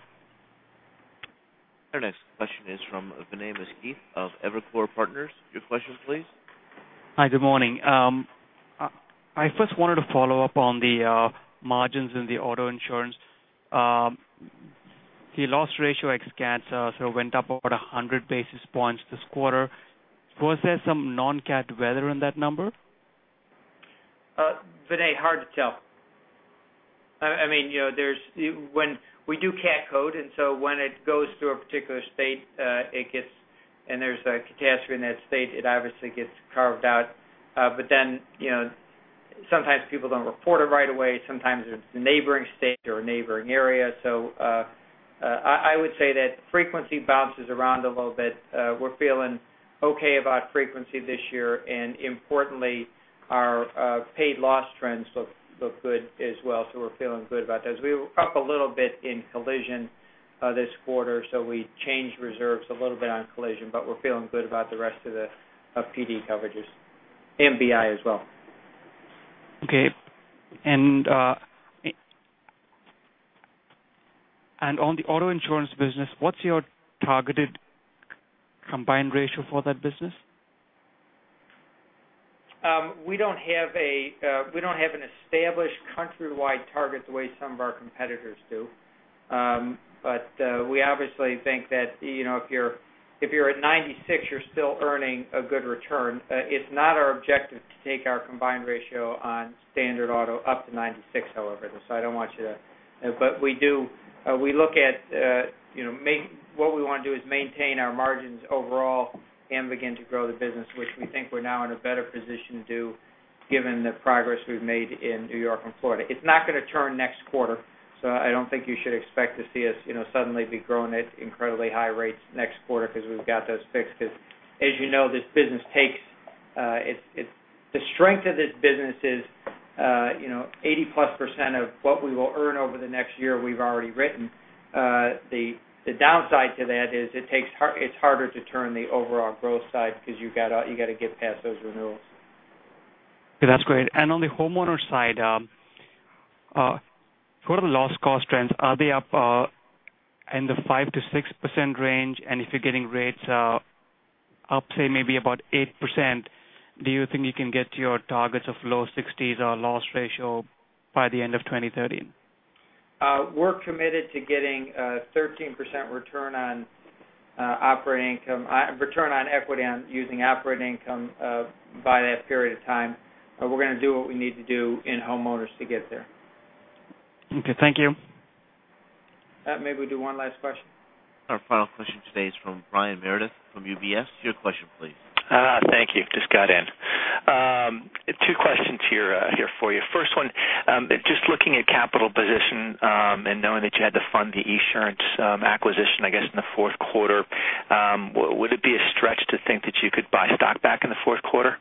Our next question is from Vinay Misra of Evercore Partners. Your question please. Hi, good morning. I first wanted to follow up on the margins in the auto insurance. The loss ratio ex cat sort of went up about 100 basis points this quarter. Was there some non-cat weather in that number? Vinay, hard to tell. We do cat code. When it goes to a particular state, and there's a catastrophe in that state, it obviously gets carved out. Sometimes people don't report it right away. Sometimes it's a neighboring state or a neighboring area. I would say that frequency bounces around a little bit. We're feeling okay about frequency this year. Importantly, our paid loss trends look good as well. We're feeling good about those. We were up a little bit in collision this quarter. We changed reserves a little bit on collision. We're feeling good about the rest of PD coverages. MBI as well. Okay. On the auto insurance business, what's your targeted combined ratio for that business? We don't have an established countrywide target the way some of our competitors do. We obviously think that if you're at 96%, you're still earning a good return. It's not our objective to take our combined ratio on standard auto up to 96%, however. What we want to do is maintain our margins overall and begin to grow the business, which we think we're now in a better position to do given the progress we've made in New York and Florida. It's not going to turn next quarter, so I don't think you should expect to see us suddenly be growing at incredibly high rates next quarter because we've got those fixed. Because as you know, the strength of this business is 80%-plus of what we will earn over the next year, we've already written. The downside to that is it's harder to turn the overall growth side because you got to get past those renewals. Okay, that's great. On the homeowner side, what are the loss cost trends? Are they up in the 5%-6% range? If you're getting rates up, say maybe about 8%, do you think you can get to your targets of low 60s or loss ratio by the end of 2030? We're committed to getting a 13% return on equity using operating income by that period of time. We're going to do what we need to do in homeowners to get there. Okay, thank you. Maybe we do one last question. Our final question today is from Brian Meredith from UBS. Your question, please. Thank you. Just got in. Two questions here for you. First one, just looking at capital position and knowing that you had to fund the Esurance acquisition, I guess, in the fourth quarter, would it be a stretch to think that you could buy stock back in the fourth quarter?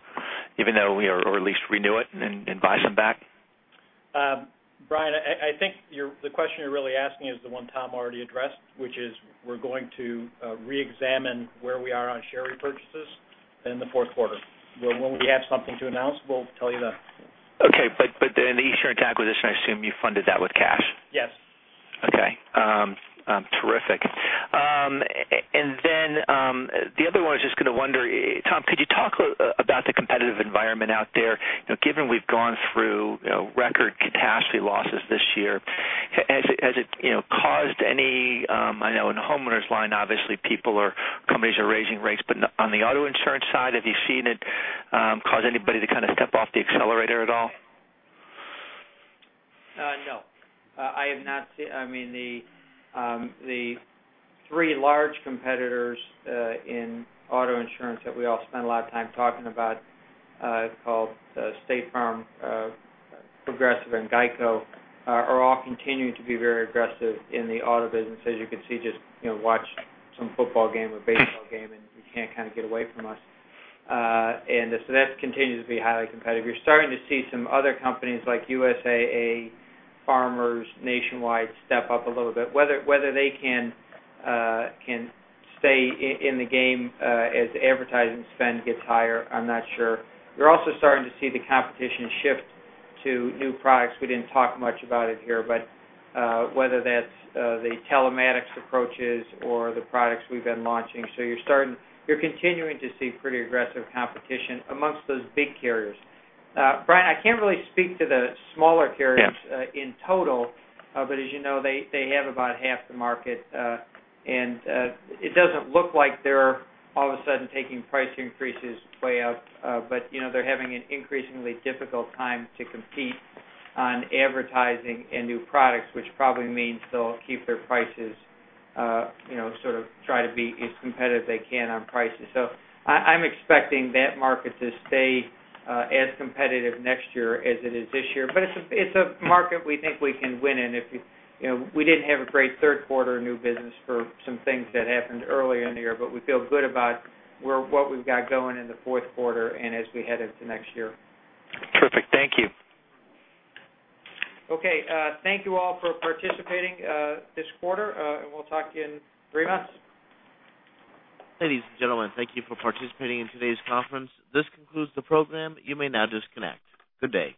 Or at least renew it and buy some back? Brian, I think the question you're really asking is the one Tom already addressed, which is we're going to reexamine where we are on share repurchases in the fourth quarter. When we have something to announce, we'll tell you then. Okay. The Esurance acquisition, I assume you funded that with cash. Yes. Okay. Terrific. The other one, I was just going to wonder, Tom, could you talk about the competitive environment out there, given we've gone through record catastrophe losses this year. Has it caused any, I know in the homeowners line, obviously companies are raising rates, but on the auto insurance side, have you seen it cause anybody to kind of step off the accelerator at all? No. The three large competitors in auto insurance that we all spend a lot of time talking about, called State Farm, Progressive, and Geico, are all continuing to be very aggressive in the auto business. As you can see, just watch some football game or baseball game, and you can't kind of get away from us. That continues to be highly competitive. You're starting to see some other companies like USAA, Farmers, Nationwide step up a little bit. Whether they can stay in the game as advertising spend gets higher, I'm not sure. You're also starting to see the competition shift to new products. We didn't talk much about it here, but whether that's the telematics approaches or the products we've been launching. You're continuing to see pretty aggressive competition amongst those big carriers. Brian, I can't really speak to the smaller carriers. Yeah In total, as you know, they have about half the market. It doesn't look like they're all of a sudden taking price increases way up. They're having an increasingly difficult time to compete on advertising and new products, which probably means they'll keep their prices, sort of try to be as competitive they can on prices. I'm expecting that market to stay as competitive next year as it is this year. It's a market we think we can win in. We didn't have a great third quarter new business for some things that happened earlier in the year, but we feel good about what we've got going in the fourth quarter and as we head into next year. Terrific. Thank you. Okay. Thank you all for participating this quarter. We'll talk in three months. Ladies and gentlemen, thank you for participating in today's conference. This concludes the program. You may now disconnect. Good day.